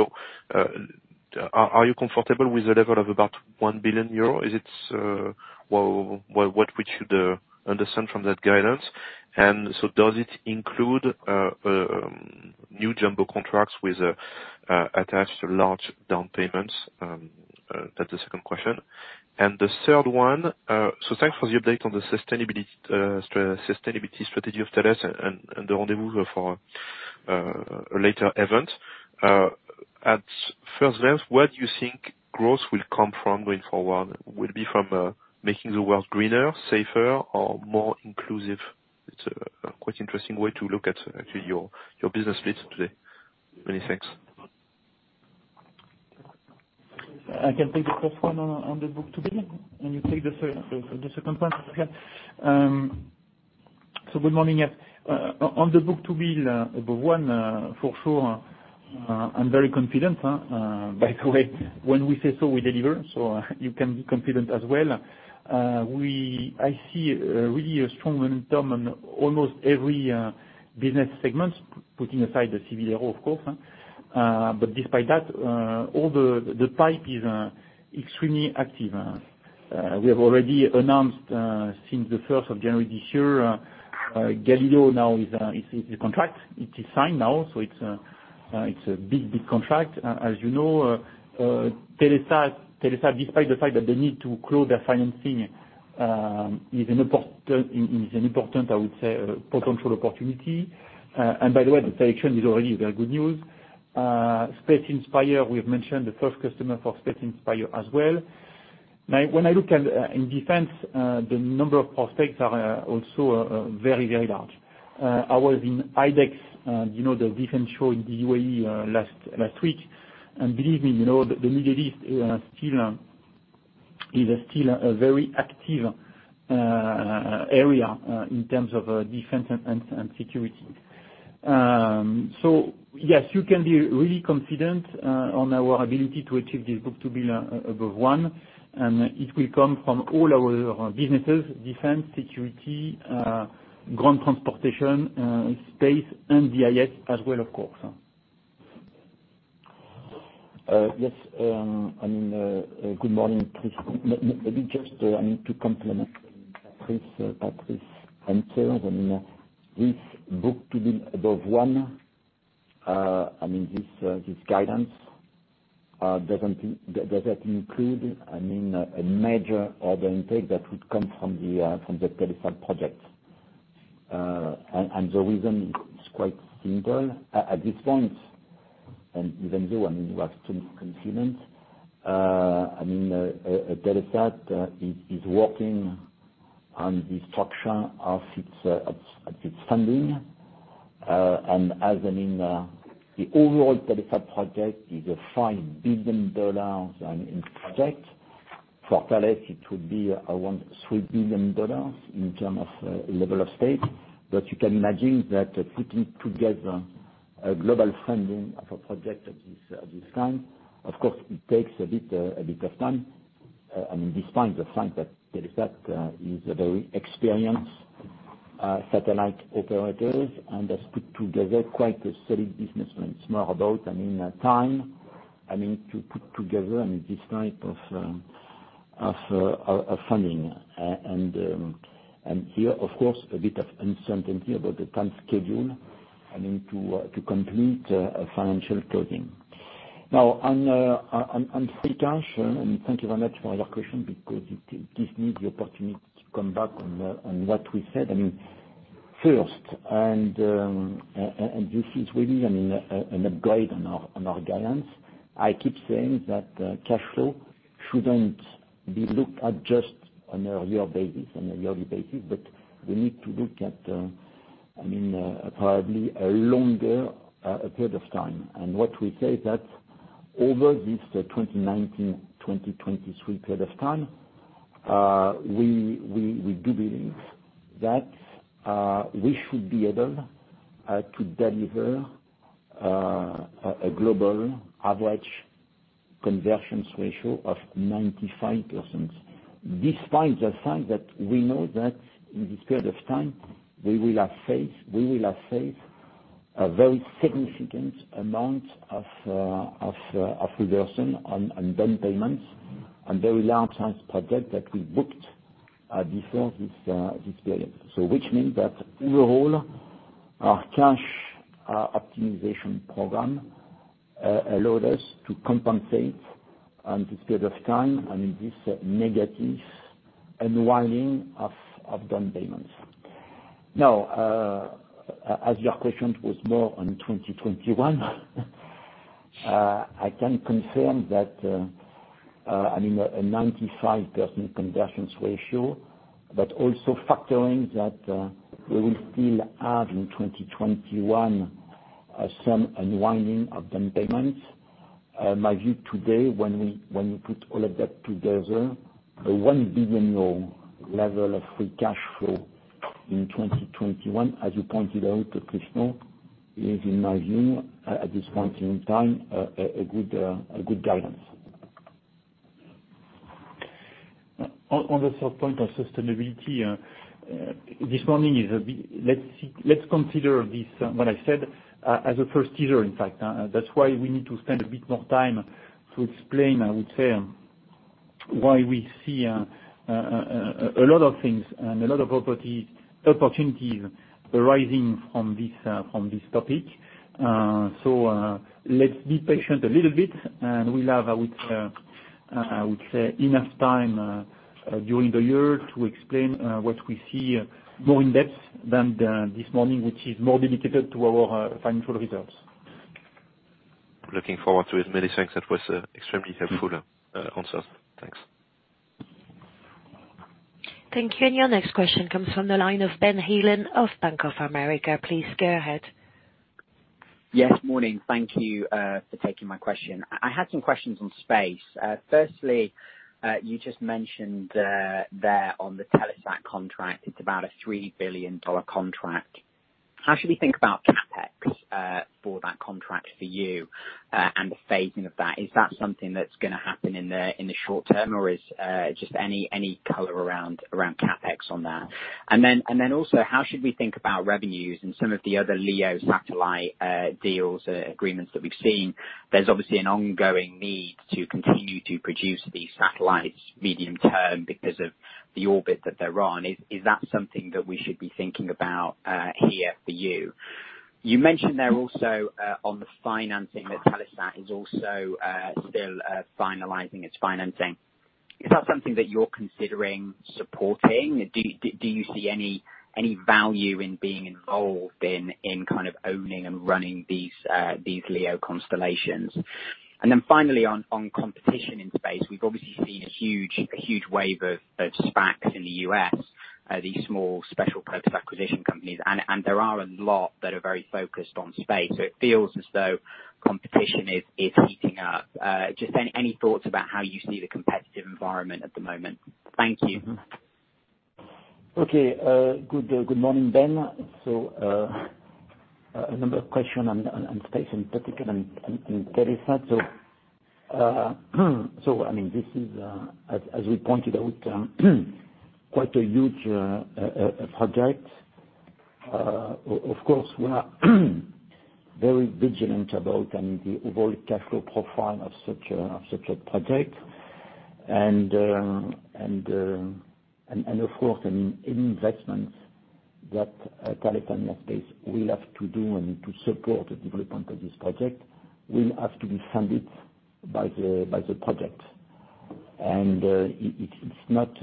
Are you comfortable with the level of about 1 billion euro? What we should understand from that guidance? Does it include new jumbo contracts with attached large down payments? That's the second question. The third one, thanks for the update on the sustainability strategy of Thales and the rendezvous for a later event. At first glance, where do you think growth will come from going forward? Will it be from making the world greener, safer or more inclusive? It's a quite interesting way to look at your business split today. Many thanks. I can take the first one on the book-to-bill, and you take the second part, Pascal. Good morning. Yes, on the book-to-bill above one, for sure I am very confident. When we say so, we deliver, you can be confident as well. I see really a strong momentum in almost every business segment, putting aside the Civil Aero, of course. Despite that, all the pipe is extremely active. We have already announced since January 1st this year, Galileo now is in contract. It is signed now, it's a big contract. As you know, Telesat, despite the fact that they need to close their financing, is an important, I would say, potential opportunity, and by the way, the selection is already very good news. Space Inspire, we have mentioned the first customer for Space Inspire as well. When I look in defense, the number of prospects are also very large. I was in IDEX, the defense show in the UAE last week. Believe me, the Middle East is still a very active area in terms of Defense and Security. Yes, you can be really confident on our ability to achieve this book-to-bill above 1, and it will come from all our businesses, defense, security, ground transportation, space, and DIS as well, of course. Yes. Good morning, Tris. Maybe just to complement Patrice's answers. This book-to-bill above 1, this guidance doesn't include a major order intake that would come from the Telesat project. The reason is quite simple. At this point, even though you are still confident, Telesat is working on the structure of its funding. As the overall Telesat project is a $5 billion project, for Thales, it would be around $3 billion in terms of level of stake. You can imagine that putting together a global funding of a project of this kind, of course, it takes a bit of time. Despite the fact that Telesat is a very experienced satellite operator and has put together quite a solid business plan. It's more about time to put together this type of funding. Here, of course, a bit of uncertainty about the time schedule to complete a financial closing. Now, on free cash, thank you very much for your question because it gives me the opportunity to come back on what we said. First, this is really an upgrade on our guidance, I keep saying that cash flow shouldn't be looked at just on a yearly basis, but we need to look at probably a longer period of time. What we say is that over this 2019-2023 period of time, we do believe that we should be able to deliver a global average conversion ratio of 95%. Despite the fact that we know that in this period of time, we will have faced a very significant amount of reversion on done payments, on very large size project that we booked before this period. Which means that overall, our cash optimization program allowed us to compensate in this period of time and in this negative unwinding of down payments. As your question was more on 2021, I can confirm that a 95% conversion ratio, but also factoring that we will still have in 2021 some unwinding of down payments. My view today, when we put all of that together, the 1 billion euro level of free cash flow in 2021, as you pointed out, Tris, in my view, at this point in time, a good guidance. On the third point on sustainability, this morning, let's consider what I said as a first teaser, in fact. That's why we need to spend a bit more time to explain, I would say, why we see a lot of things and a lot of opportunities arising from this topic. Let's be patient a little bit, and we'll have, I would say, enough time during the year to explain what we see more in depth than this morning, which is more dedicated to our financial results. Looking forward to it. Many thanks, that was extremely helpful answers. Thanks. Thank you. Your next question comes from the line of Ben Heelan of Bank of America. Please go ahead. Yes, morning. Thank you for taking my question. I had some questions on space. You just mentioned there on the Telesat contract, it's about a $3 billion contract. How should we think about CapEx for that contract for you and the phasing of that? Is that something that's going to happen in the short term or just any color around CapEx on that? Also, how should we think about revenues and some of the other LEO satellite deals, agreements that we've seen? There's obviously an ongoing need to continue to produce these satellites medium term because of the orbit that they're on. Is that something that we should be thinking about here for you? You mentioned there also on the financing that Telesat is also still finalizing its financing. Is that something that you're considering supporting? Do you see any value in being involved in kind of owning and running these LEO constellations? Finally, on competition in space. We've obviously seen a huge wave of SPACs in the U.S., these small special purpose acquisition companies, and there are a lot that are very focused on space. It feels as though competition is heating up. Just any thoughts about how you see the competitive environment at the moment? Thank you. Good morning, Ben. A number of question on space in particular and Telesat. This is, as we pointed out, quite a huge project. Of course, we are very vigilant about the overall cash flow profile of such a project. Of course, any investments that Thales Alenia Space will have to do and to support the development of this project will have to be funded by the project. It's not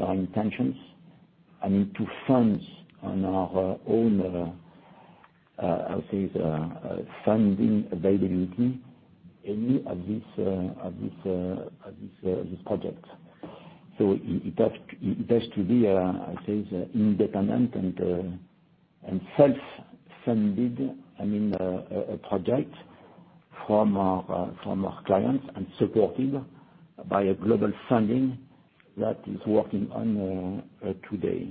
our intentions, I mean, to fund on our own, how say, funding availability any of this project. It has to be, I say, independent and self-funded project from our clients and supported by a global funding that is working on today.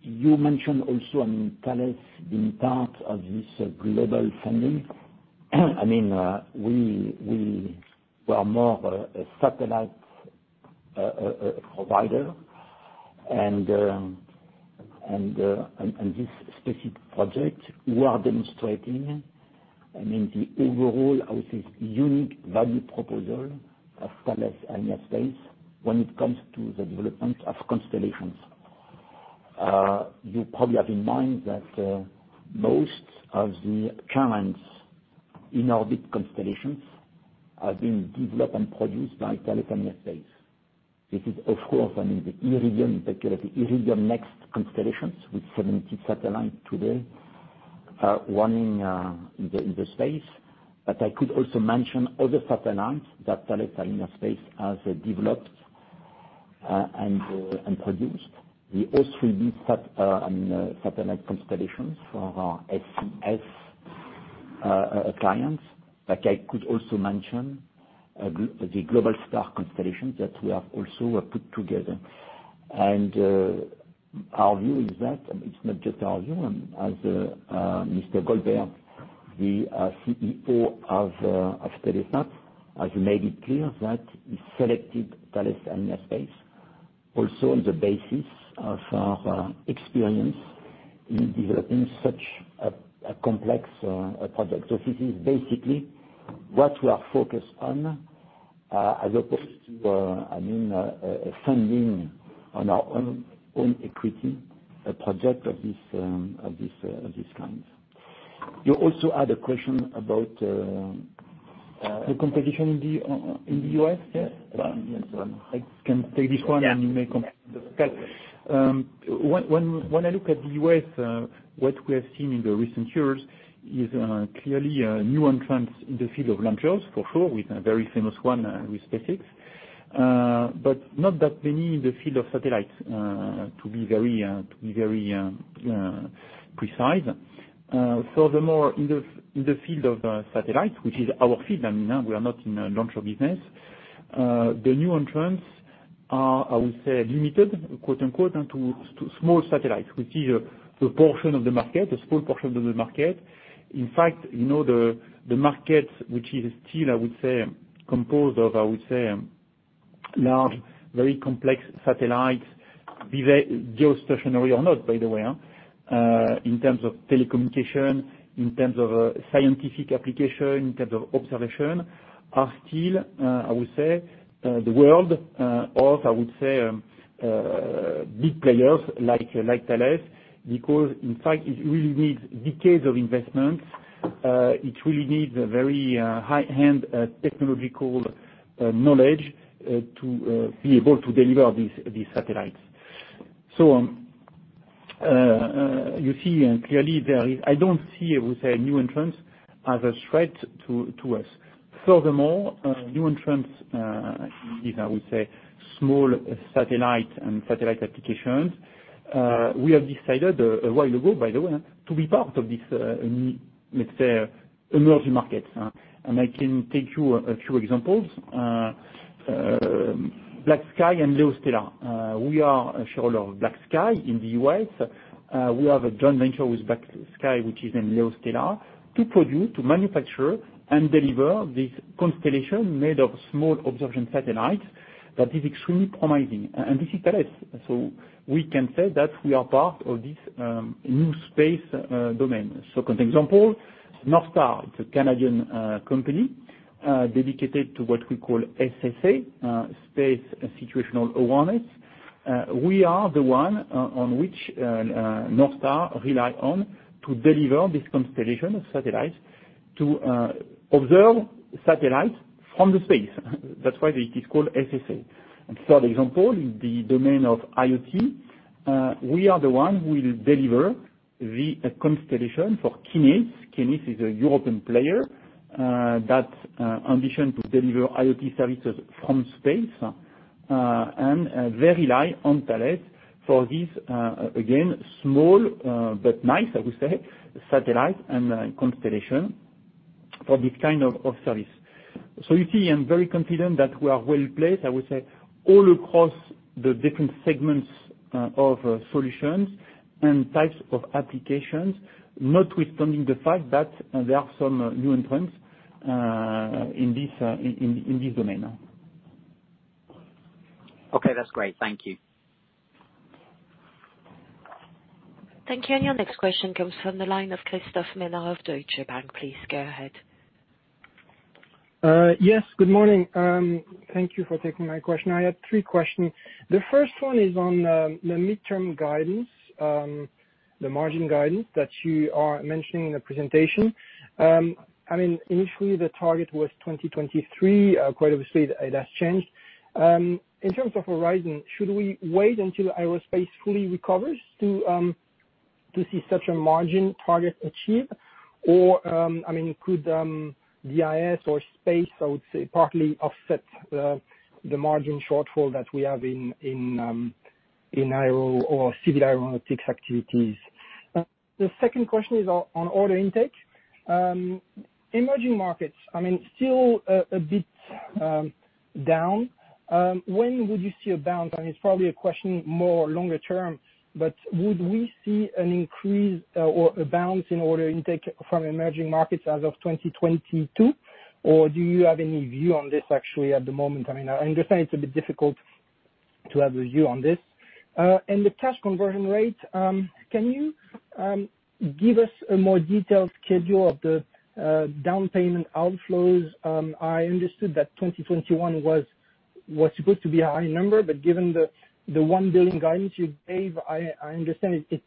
You mentioned also Thales being part of this global funding. We were more a satellite provider and this specific project, we are demonstrating, I mean, the overall, I would say, unique value proposal of Thales Alenia Space when it comes to the development of constellations. You probably have in mind that most of the current in-orbit constellations have been developed and produced by Thales Alenia Space. This is, of course, I mean, the Iridium, in particular, the Iridium NEXT constellations with 70 satellites today are running in the space. I could also mention other satellites that Thales Alenia Space has developed and produced. The O3b satellite constellations for our SES clients. I could also mention the Globalstar constellations that we have also put together. Our view is that, it's not just our view as Mr. Goldberg, the CEO of Telesat, has made it clear that he selected Thales Alenia Space also on the basis of our experience in developing such a complex project. This is basically what we are focused on as opposed to funding on our own equity a project of this kind. You also had a question about- The competition in the U.S.? Yes. I can take this one. You may comment. Yes. When I look at the U.S., what we have seen in the recent years is clearly new entrants in the field of launchers, for sure, with a very famous one with SpaceX. Not that many in the field of satellites to be very precise. Furthermore, in the field of satellites, which is our field, we are not in the launcher business. The new entrants are, I would say, limited, quote-unquote, to small satellites, which is a portion of the market, a small portion of the market. In fact, the market, which is still, I would say, composed of large, very complex satellites, be they geostationary or not, by the way, in terms of telecommunication, in terms of scientific application, in terms of observation, are still I would say, the world of big players like Thales. Because in fact, it really needs decades of investment. It really needs a very high-end technological knowledge to be able to deliver these satellites. You see clearly there, I don't see, I would say, new entrants as a threat to us. Furthermore, new entrants is, I would say, small satellite and satellite applications. We have decided a while ago, by the way, to be part of this let's say, emerging market. I can take you a few examples. BlackSky and LeoStella. We are a shareholder of BlackSky in the U.S. We have a joint venture with BlackSky, which is in LeoStella to produce, to manufacture, and deliver this constellation made of small observation satellites that is extremely promising. This is Thales. We can say that we are part of this new space domain. Second example, NorthStar. It's a Canadian company dedicated to what we call SSA, Space Situational Awareness. We are the one on which NorthStar rely on to deliver this constellation of satellites to observe satellites from the space. That's why it is called SSA. Third example, in the domain of IoT. We are the one who will deliver the constellation for Kinéis. Kinéis is a European player that ambition to deliver IoT services from space, and they rely on Thales for this again, small but nice, I would say, satellite and constellation for this kind of service. You see, I'm very confident that we are well-placed, I would say, all across the different segments of solutions and types of applications, notwithstanding the fact that there are some new entrants in this domain. Okay, that's great. Thank you. Thank you. Your next question comes from the line of Christophe Menard of Deutsche Bank. Please go ahead. Yes, good morning. Thank you for taking my question. I had three questions. The first one is on the midterm guidance, the margin guidance that you are mentioning in the presentation. Initially, the target was 2023. Quite obviously, that's changed. In terms of horizon, should we wait until aerospace fully recovers to see such a margin target achieved? Could DIS or space, I would say, partly offset the margin shortfall that we have in aero or Civil Aeronautics activities? The second question is on order intake. Emerging markets, still a bit down. When would you see a bounce? It's probably a question more longer term, but would we see an increase or a bounce in order intake from emerging markets as of 2022? Do you have any view on this actually at the moment? I understand it's a bit difficult to have a view on this. The cash conversion rate, can you give us a more detailed schedule of the down payment outflows? I understood that 2021 was supposed to be a high number, but given the 1 billion guidance you gave, I understand it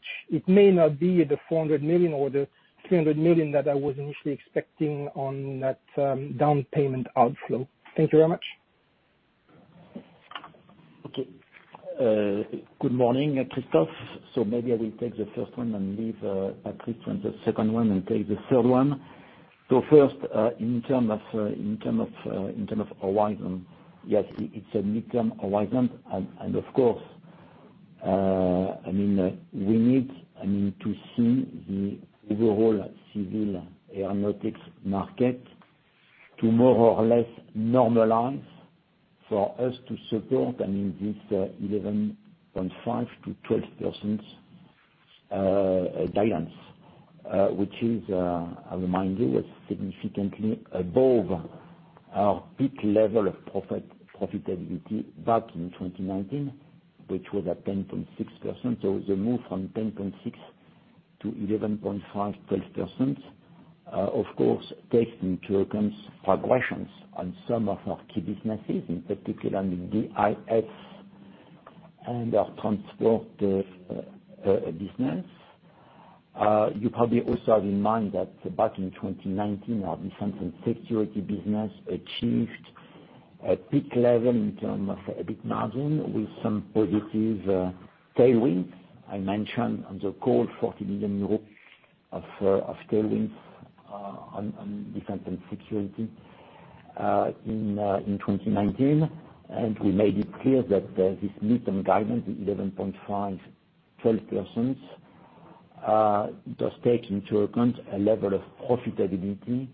may not be the 400 million or the 300 million that I was initially expecting on that down payment outflow. Thank you very much. Good morning, Christophe. Maybe I will take the first one and leave Patrice on the second one and take the third one. First, in terms of horizon, yes, it's a midterm horizon and of course, we need to see the overall Civil Aeronautics market to more or less normalize for us to support this 11.5%-12% guidance. Which is, I remind you, was significantly above our peak level of profitability back in 2019, which was at 10.6%. It's a move from 10.6% to 11.5%, 12%. Of course, takes into account progressions on some of our key businesses, in particular in the DIS and our transport business. You probably also have in mind that back in 2019, our Defense and Security business achieved a peak level in terms of EBIT margin with some positive tailwinds. I mentioned on the call, 40 million euros of tailwinds on Defense and Security in 2019. We made it clear that this midterm guidance, the 11.5%-12%, does take into account a level of profitability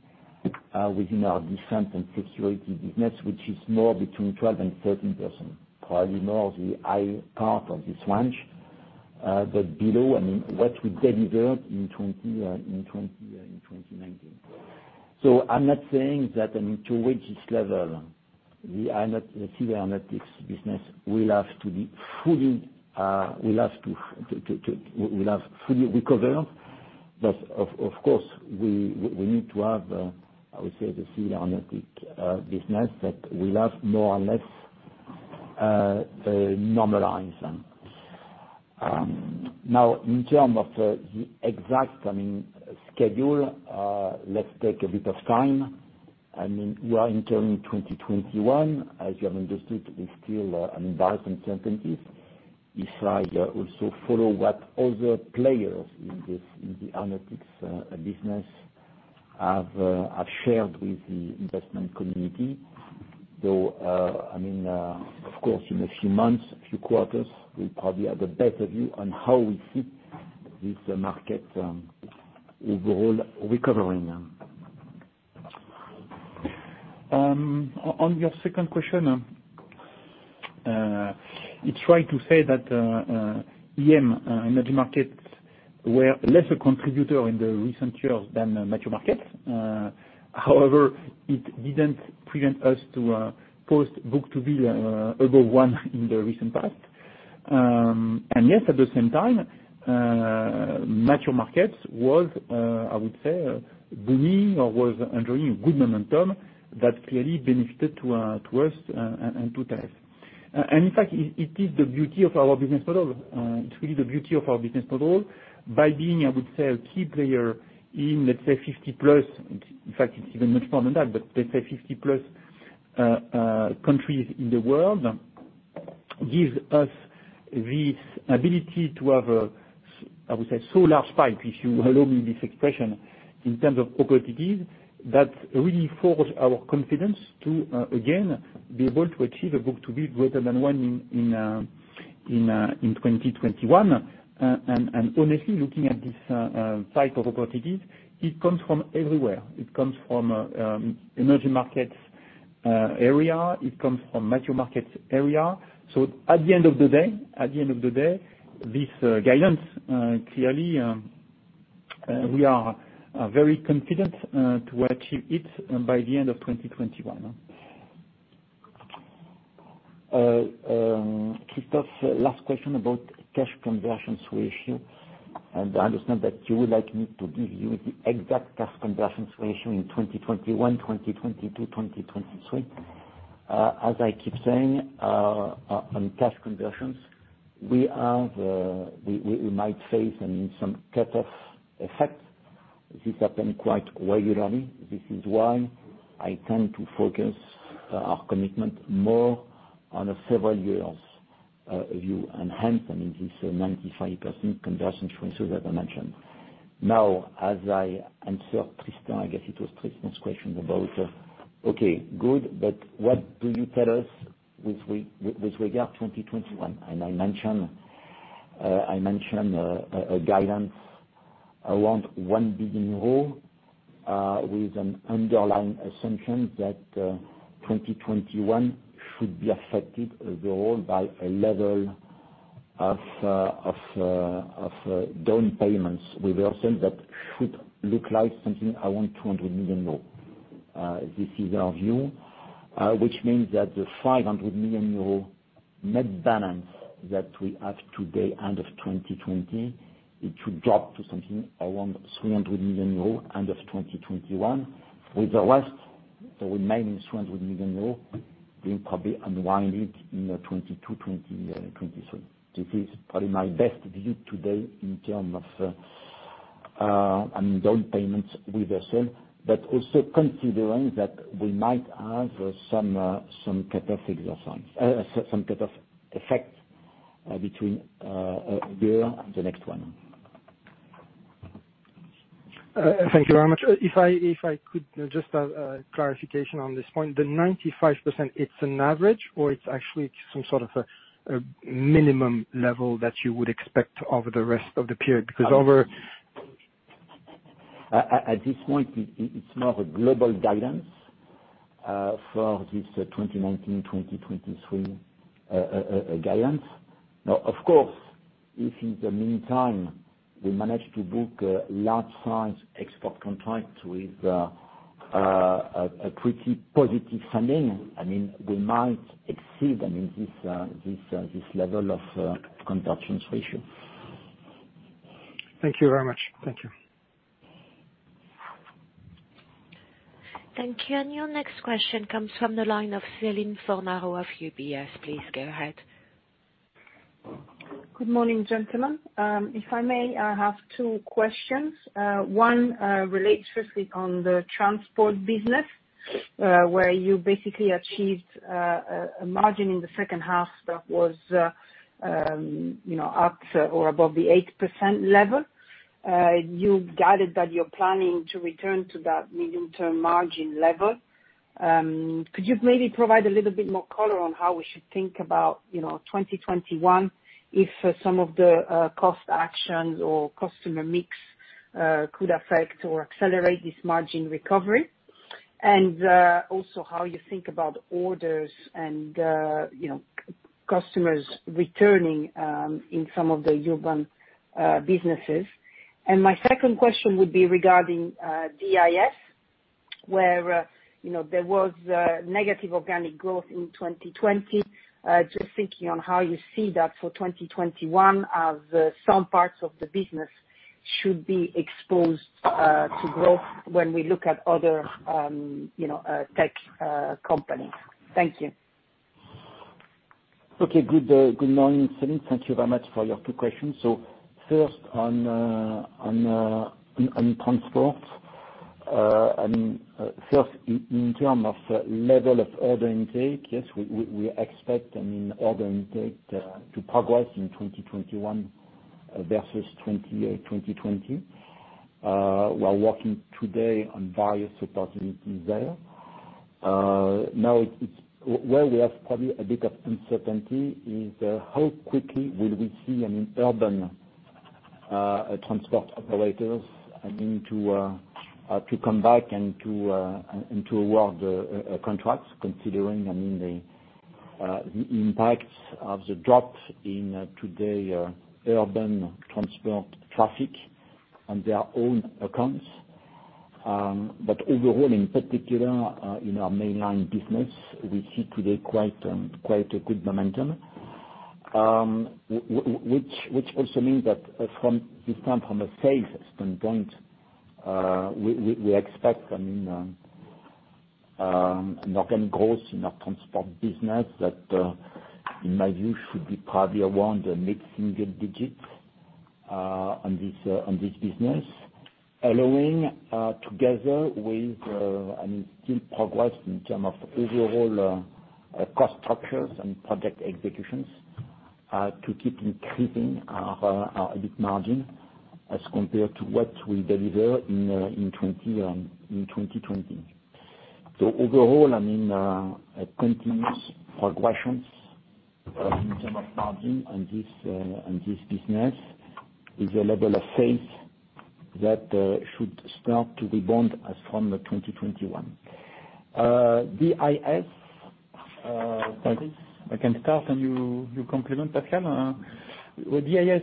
within our Defense and Security business, which is more between 12% and 13%. Probably more of the high part of this range. Below what we delivered in 2019. I'm not saying that to reach this level, the Civil Aeronautics business will have to fully recover. Of course, we need to have, I would say, the Civil Aeronautics business that will have more or less normalized. Now, in terms of the exact coming schedule, let's take a bit of time. We are entering 2021. As you have understood, it's still uncertain. Besides, also follow what other players in the aeronautics business have shared with the investment community. Of course, in a few months, a few quarters, we'll probably have a better view on how we fit with the market overall recovering. On your second question, it's right to say that EM, emerging markets, were less a contributor in the recent years than mature markets. It didn't prevent us to post book-to-bill above one in the recent past. Yes, at the same time, mature markets was, I would say, booming or was enjoying good momentum that clearly benefited to us and to Thales. In fact, it is the beauty of our business model. It's really the beauty of our business model by being, I would say, a key player in, let's say, 50+. In fact, it's even much more than that, let's say 50+ countries in the world, gives us this ability to have, I would say, so large pipe, if you allow me this expression, in terms of opportunities. That really forge our confidence to, again, be able to achieve a book-to-bill greater than one in 2021. Honestly, looking at this type of opportunities, it comes from everywhere. It comes from emerging markets area, it comes from mature markets area. At the end of the day, this guidance, clearly, we are very confident to achieve it by the end of 2021. Christophe, last question about cash conversion ratio. I understand that you would like me to give you the exact cash conversion ratio in 2021, 2022, 2023. As I keep saying on cash conversions, we might face some cutoff effect. This happen quite regularly. This is why I tend to focus our commitment more on a several years view, and hence this 95% conversion ratios that I mentioned. Now, as I answered Tristan, I guess it was Tristan's question about, okay, good, but what do you tell us with regard 2021? I mentioned a guidance around 1 billion euros, with an underlying assumption that 2021 should be affected overall by a level of down payments reversal that should look like something around 200 million euros. This is our view, which means that the 500 million euro net balance that we have today, end of 2020, it should drop to something around 300 million euros end of 2021. With the rest, the remaining 300 million euros being probably unwinded in 2022, 2023. This is probably my best view today in term of down payments reversal. Also considering that we might have some cut-off effect between the next one. Thank you very much. If I could just have clarification on this point, the 95%, it's an average or it's actually some sort of a minimum level that you would expect over the rest of the period? At this point, it's more of a global guidance for this 2019-2023 guidance. Of course, if in the meantime, we manage to book a large size export contract with a pretty positive signing, they might exceed this level of conversions ratio. Thank you very much, thank you. Thank you. Your next question comes from the line of Celine Fornaro of UBS. Please go ahead. Good morning, gentlemen. If I may, I have two questions. One relates firstly on the transport business, where you basically achieved a margin in the second half that was up or above the 8% level. You guided that you're planning to return to that medium-term margin level. Could you maybe provide a little bit more color on how we should think about 2021, if some of the cost actions or customer mix could affect or accelerate this margin recovery? Also how you think about orders and customers returning in some of the urban businesses. My second question would be regarding DIS, where there was negative organic growth in 2020. Just thinking on how you see that for 2021 as some parts of the business should be exposed to growth when we look at other tech companies. Thank you. Okay. Good morning, Céline. Thank you very much for your two questions. First, on transport. First, in terms of level of order intake, yes, we expect order intake to progress in 2021 versus 2020. We're working today on various opportunities there. Now, where we have probably a bit of uncertainty is how quickly will we see an urban transport operators, I mean, to come back and to award contracts, considering the impacts of the drop in today urban transport traffic on their own accounts. Overall, in particular, in our mainline business, we see today quite a good momentum, which also means from a sales standpoint, we expect an organic growth in our transport business that, in my view, should be probably around the mid-single digits on this business. Allowing together with, I mean, still progress in terms of overall cost structures and project executions, to keep increasing our EBIT margin as compared to what we deliver in 2020. Overall, a continuous progression in terms of margin in this business with a level of sales that should start to rebound as from 2021. DIS, Patrice? DIS, I think I can start and you complement, Pascal. With DIS,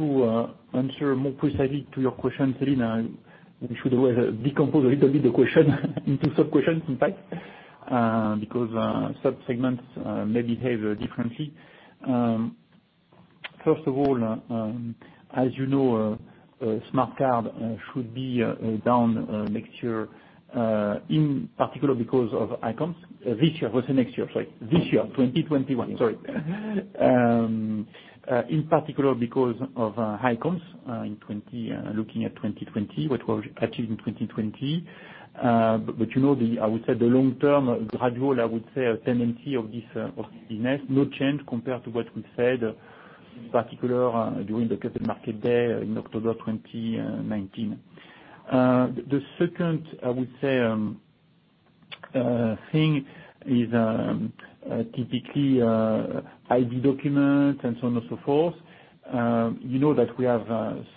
to answer more precisely to your question, Céline, we should decompose a little bit the question into sub-questions, in fact, because sub-segments may behave differently. First of all, as you know, smart card should be down next year, in particular because of high comps. This year versus next year, sorry. This year, 2021, sorry. In particular because of high comps, looking at 2020, what we achieved in 2020. You know, I would say the long-term gradual, I would say, tendency of this business, no change compared to what we said, in particular during the Capital Markets Day in October 2019. The second thing is typically ID documents and so on and so forth. You know that we have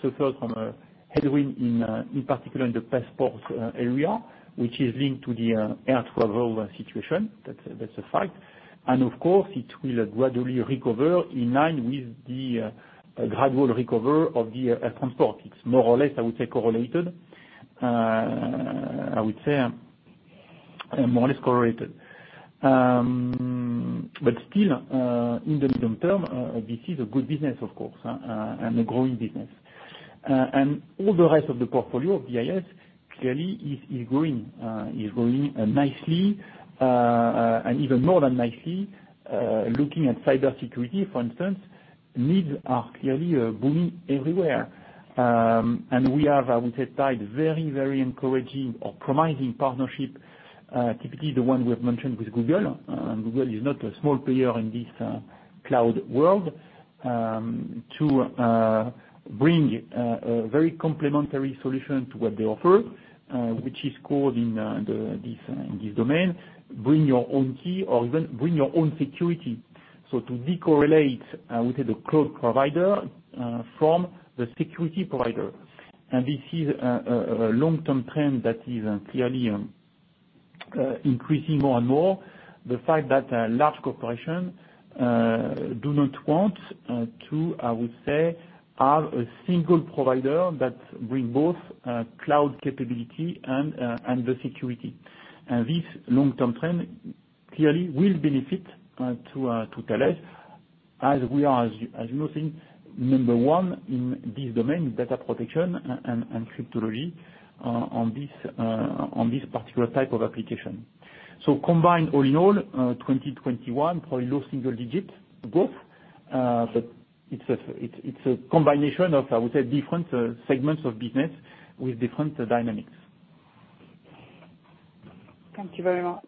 suffered from a headwind in particular in the passport area, which is linked to the air travel situation, that's a fact. Of course, it will gradually recover in line with the gradual recover of the air transport. It's more or less, I would say, correlated. I would say more or less correlated. Still, in the medium term, this is a good business, of course, and a growing business. All the rest of the portfolio of DIS clearly is growing nicely, and even more than nicely. Looking at cybersecurity, for instance, needs are clearly booming everywhere. We have, I would say, tied very, very encouraging or promising partnership, typically the one we have mentioned with Google, and Google is not a small player in this cloud world, to bring a very complementary solution to what they offer, which is called in this domain, bring your own key or even bring your own security. To de-correlate with the cloud provider from the security provider. This is a long-term trend that is clearly increasing more and more. The fact that large corporation do not want to, I would say, have a single provider that bring both cloud capability and the security. This long-term trend clearly will benefit to Thales as we are, as you know, number one in this domain, data protection and cryptology on this particular type of application. Combined all in all, 2021, probably low single digit growth. It's a combination of, I would say, different segments of business with different dynamics. Thank you very much.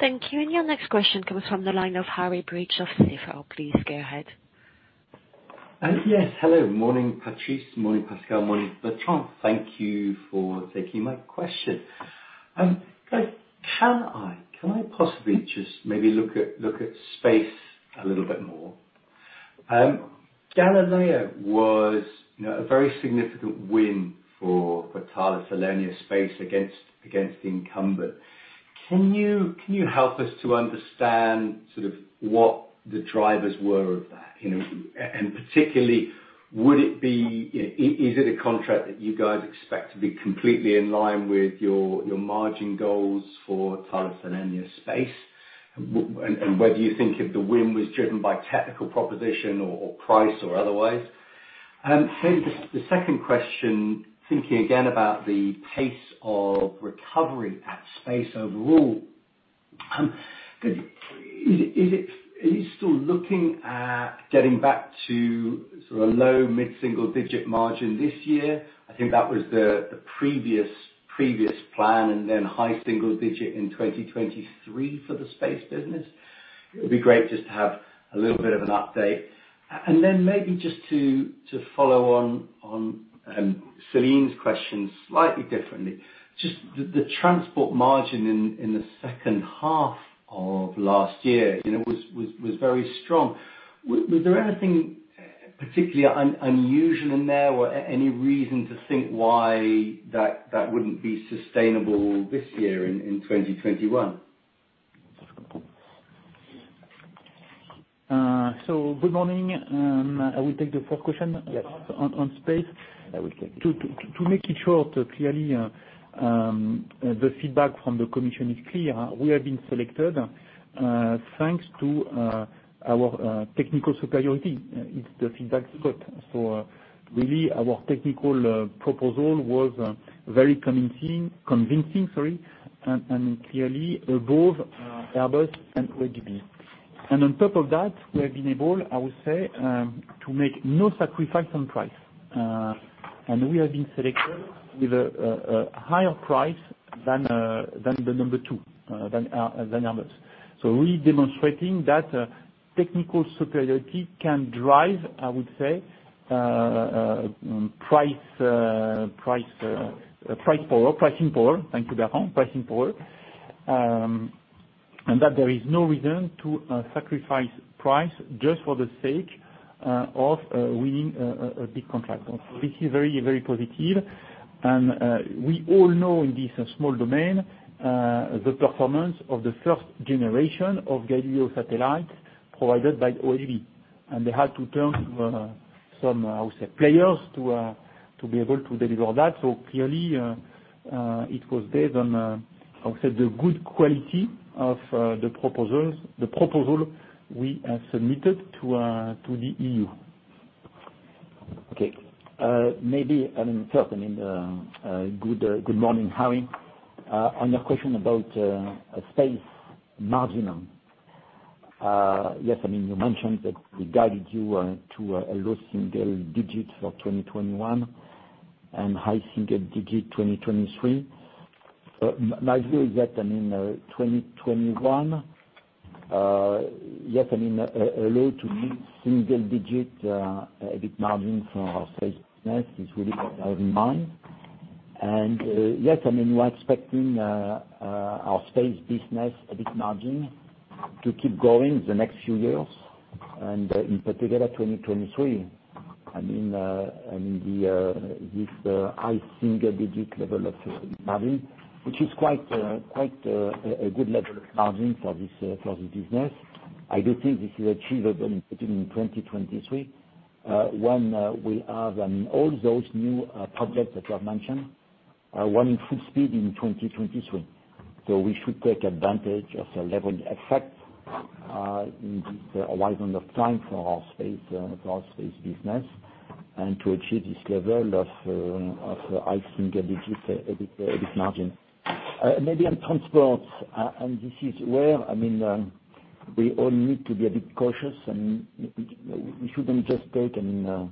Thank you. Your next question comes from the line of Harry Breach of Stifel. Please go ahead. Yes. Hello. Morning, Patrice. Morning, Pascal. Morning, Bertrand. Thank you for taking my question. Guys, can I possibly just maybe look at space a little bit more? Galileo was a very significant win for Thales Alenia Space against the incumbent. Can you help us to understand sort of what the drivers were of that? Particularly, is it a contract that you guys expect to be completely in line with your margin goals for Thales Alenia Space? Whether you think if the win was driven by technical proposition or price or otherwise? Maybe the second question, thinking again about the pace of recovery at space overall. Are you still looking at getting back to sort of low, mid single digit margin this year? I think that was the previous plan, and then high single digit in 2023 for the space business. It would be great just to have a little bit of an update. Maybe just to follow on Céline's question slightly differently, just the transport margin in the second half of last year was very strong. Was there anything particularly unusual in there or any reason to think why that wouldn't be sustainable this year in 2021? Good morning. I will take the fourth question on space. To make it short, clearly, the feedback from the commission is clear. We have been selected, thanks to our technical superiority. It's the feedback we got. Really our technical proposal was very convincing, sorry, and clearly above Airbus and OHB. On top of that, we have been able, I would say, to make no sacrifice on price. We have been selected with a higher price than the number two, than others. Really demonstrating that technical superiority can drive, I would say, pricing power. There is no reason to sacrifice price just for the sake of winning a big contract. This is very, very positive. We all know in this small domain, the performance of the first generation of Galileo satellites provided by the OHB. They had to turn to some, I would say, players to be able to deliver that. Clearly, it was based on, I would say, the good quality of the proposal we submitted to the EU. Okay. Maybe, first, good morning, Harry. On your question about space margin. Yes, you mentioned that we guided you to a low single digits for 2021 and high single digit 2023. My view is that in 2021, yes, a low to single-digit EBIT margin for our space business is really in mind. Yes, we are expecting our space business EBIT margin to keep growing the next few years and, in particular, 2023. This high single-digit level of margin, which is quite a good level of margin for this business. I do think this is achievable in 2023. One, we have all those new projects that I've mentioned running full speed in 2023. We should take advantage of the levered effect in this horizon of time for our space business, and to achieve this level of high single-digit EBIT margin. Maybe on transport, this is where we all need to be a bit cautious, and we shouldn't just take a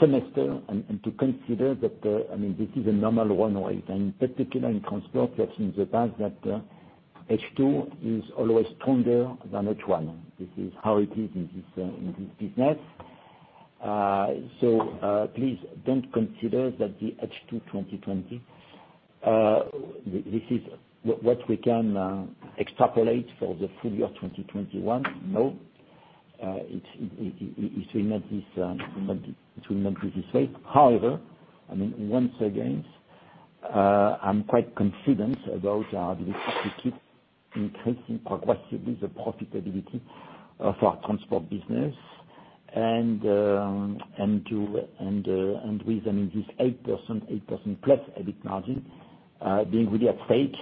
semester, and to consider that this is a normal runway. In particular, in transport, we have seen in the past that H2 is always stronger than H1. This is how it is in this business. Please don't consider that the H2 2020, this is what we can extrapolate for the full-year 2021. No. It will not be the same. However, once again, I'm quite confident about our ability to keep increasing progressively the profitability of our transport business. With this 8%, 8%+ EBIT margin being really at stake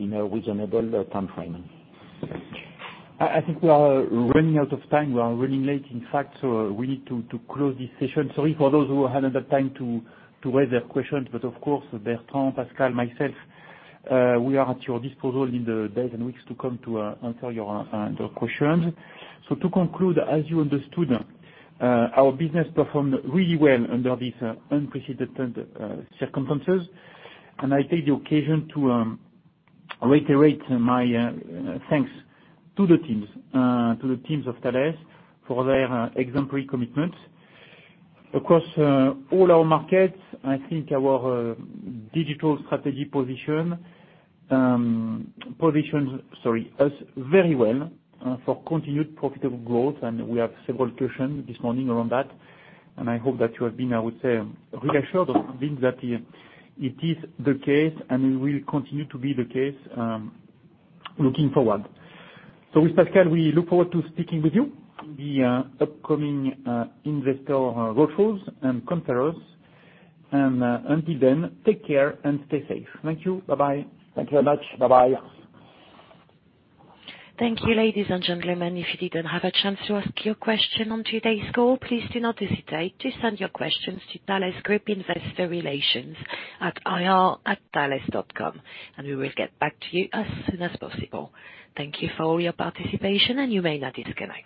in a reasonable time framing. I think we are running out of time. We are running late, in fact. We need to close this session. Sorry for those who hadn't the time to raise their questions. Of course, Bertrand, Pascal, myself, we are at your disposal in the days and weeks to come to answer your questions. To conclude, as you understood, our business performed really well under these unprecedented circumstances. I take the occasion to reiterate my thanks to the teams of Thales for their exemplary commitment. Across all our markets, I think our digital strategy positions us very well for continued profitable growth. We have several questions this morning around that, and I hope that you have been, I would say, reassured of being that it is the case and will continue to be the case looking forward. With Pascal, we look forward to speaking with you in the upcoming investor road shows and conference. Until then, take care and stay safe. Thank you. Bye-bye. Thank you very much. Bye-bye. Thank you, ladies and gentlemen. If you didn't have a chance to ask your question on today's call, please do not hesitate to send your questions to Thales Group investor relations at ir@thalesgroup.com. We will get back to you as soon as possible. Thank you for your participation, and you may now disconnect.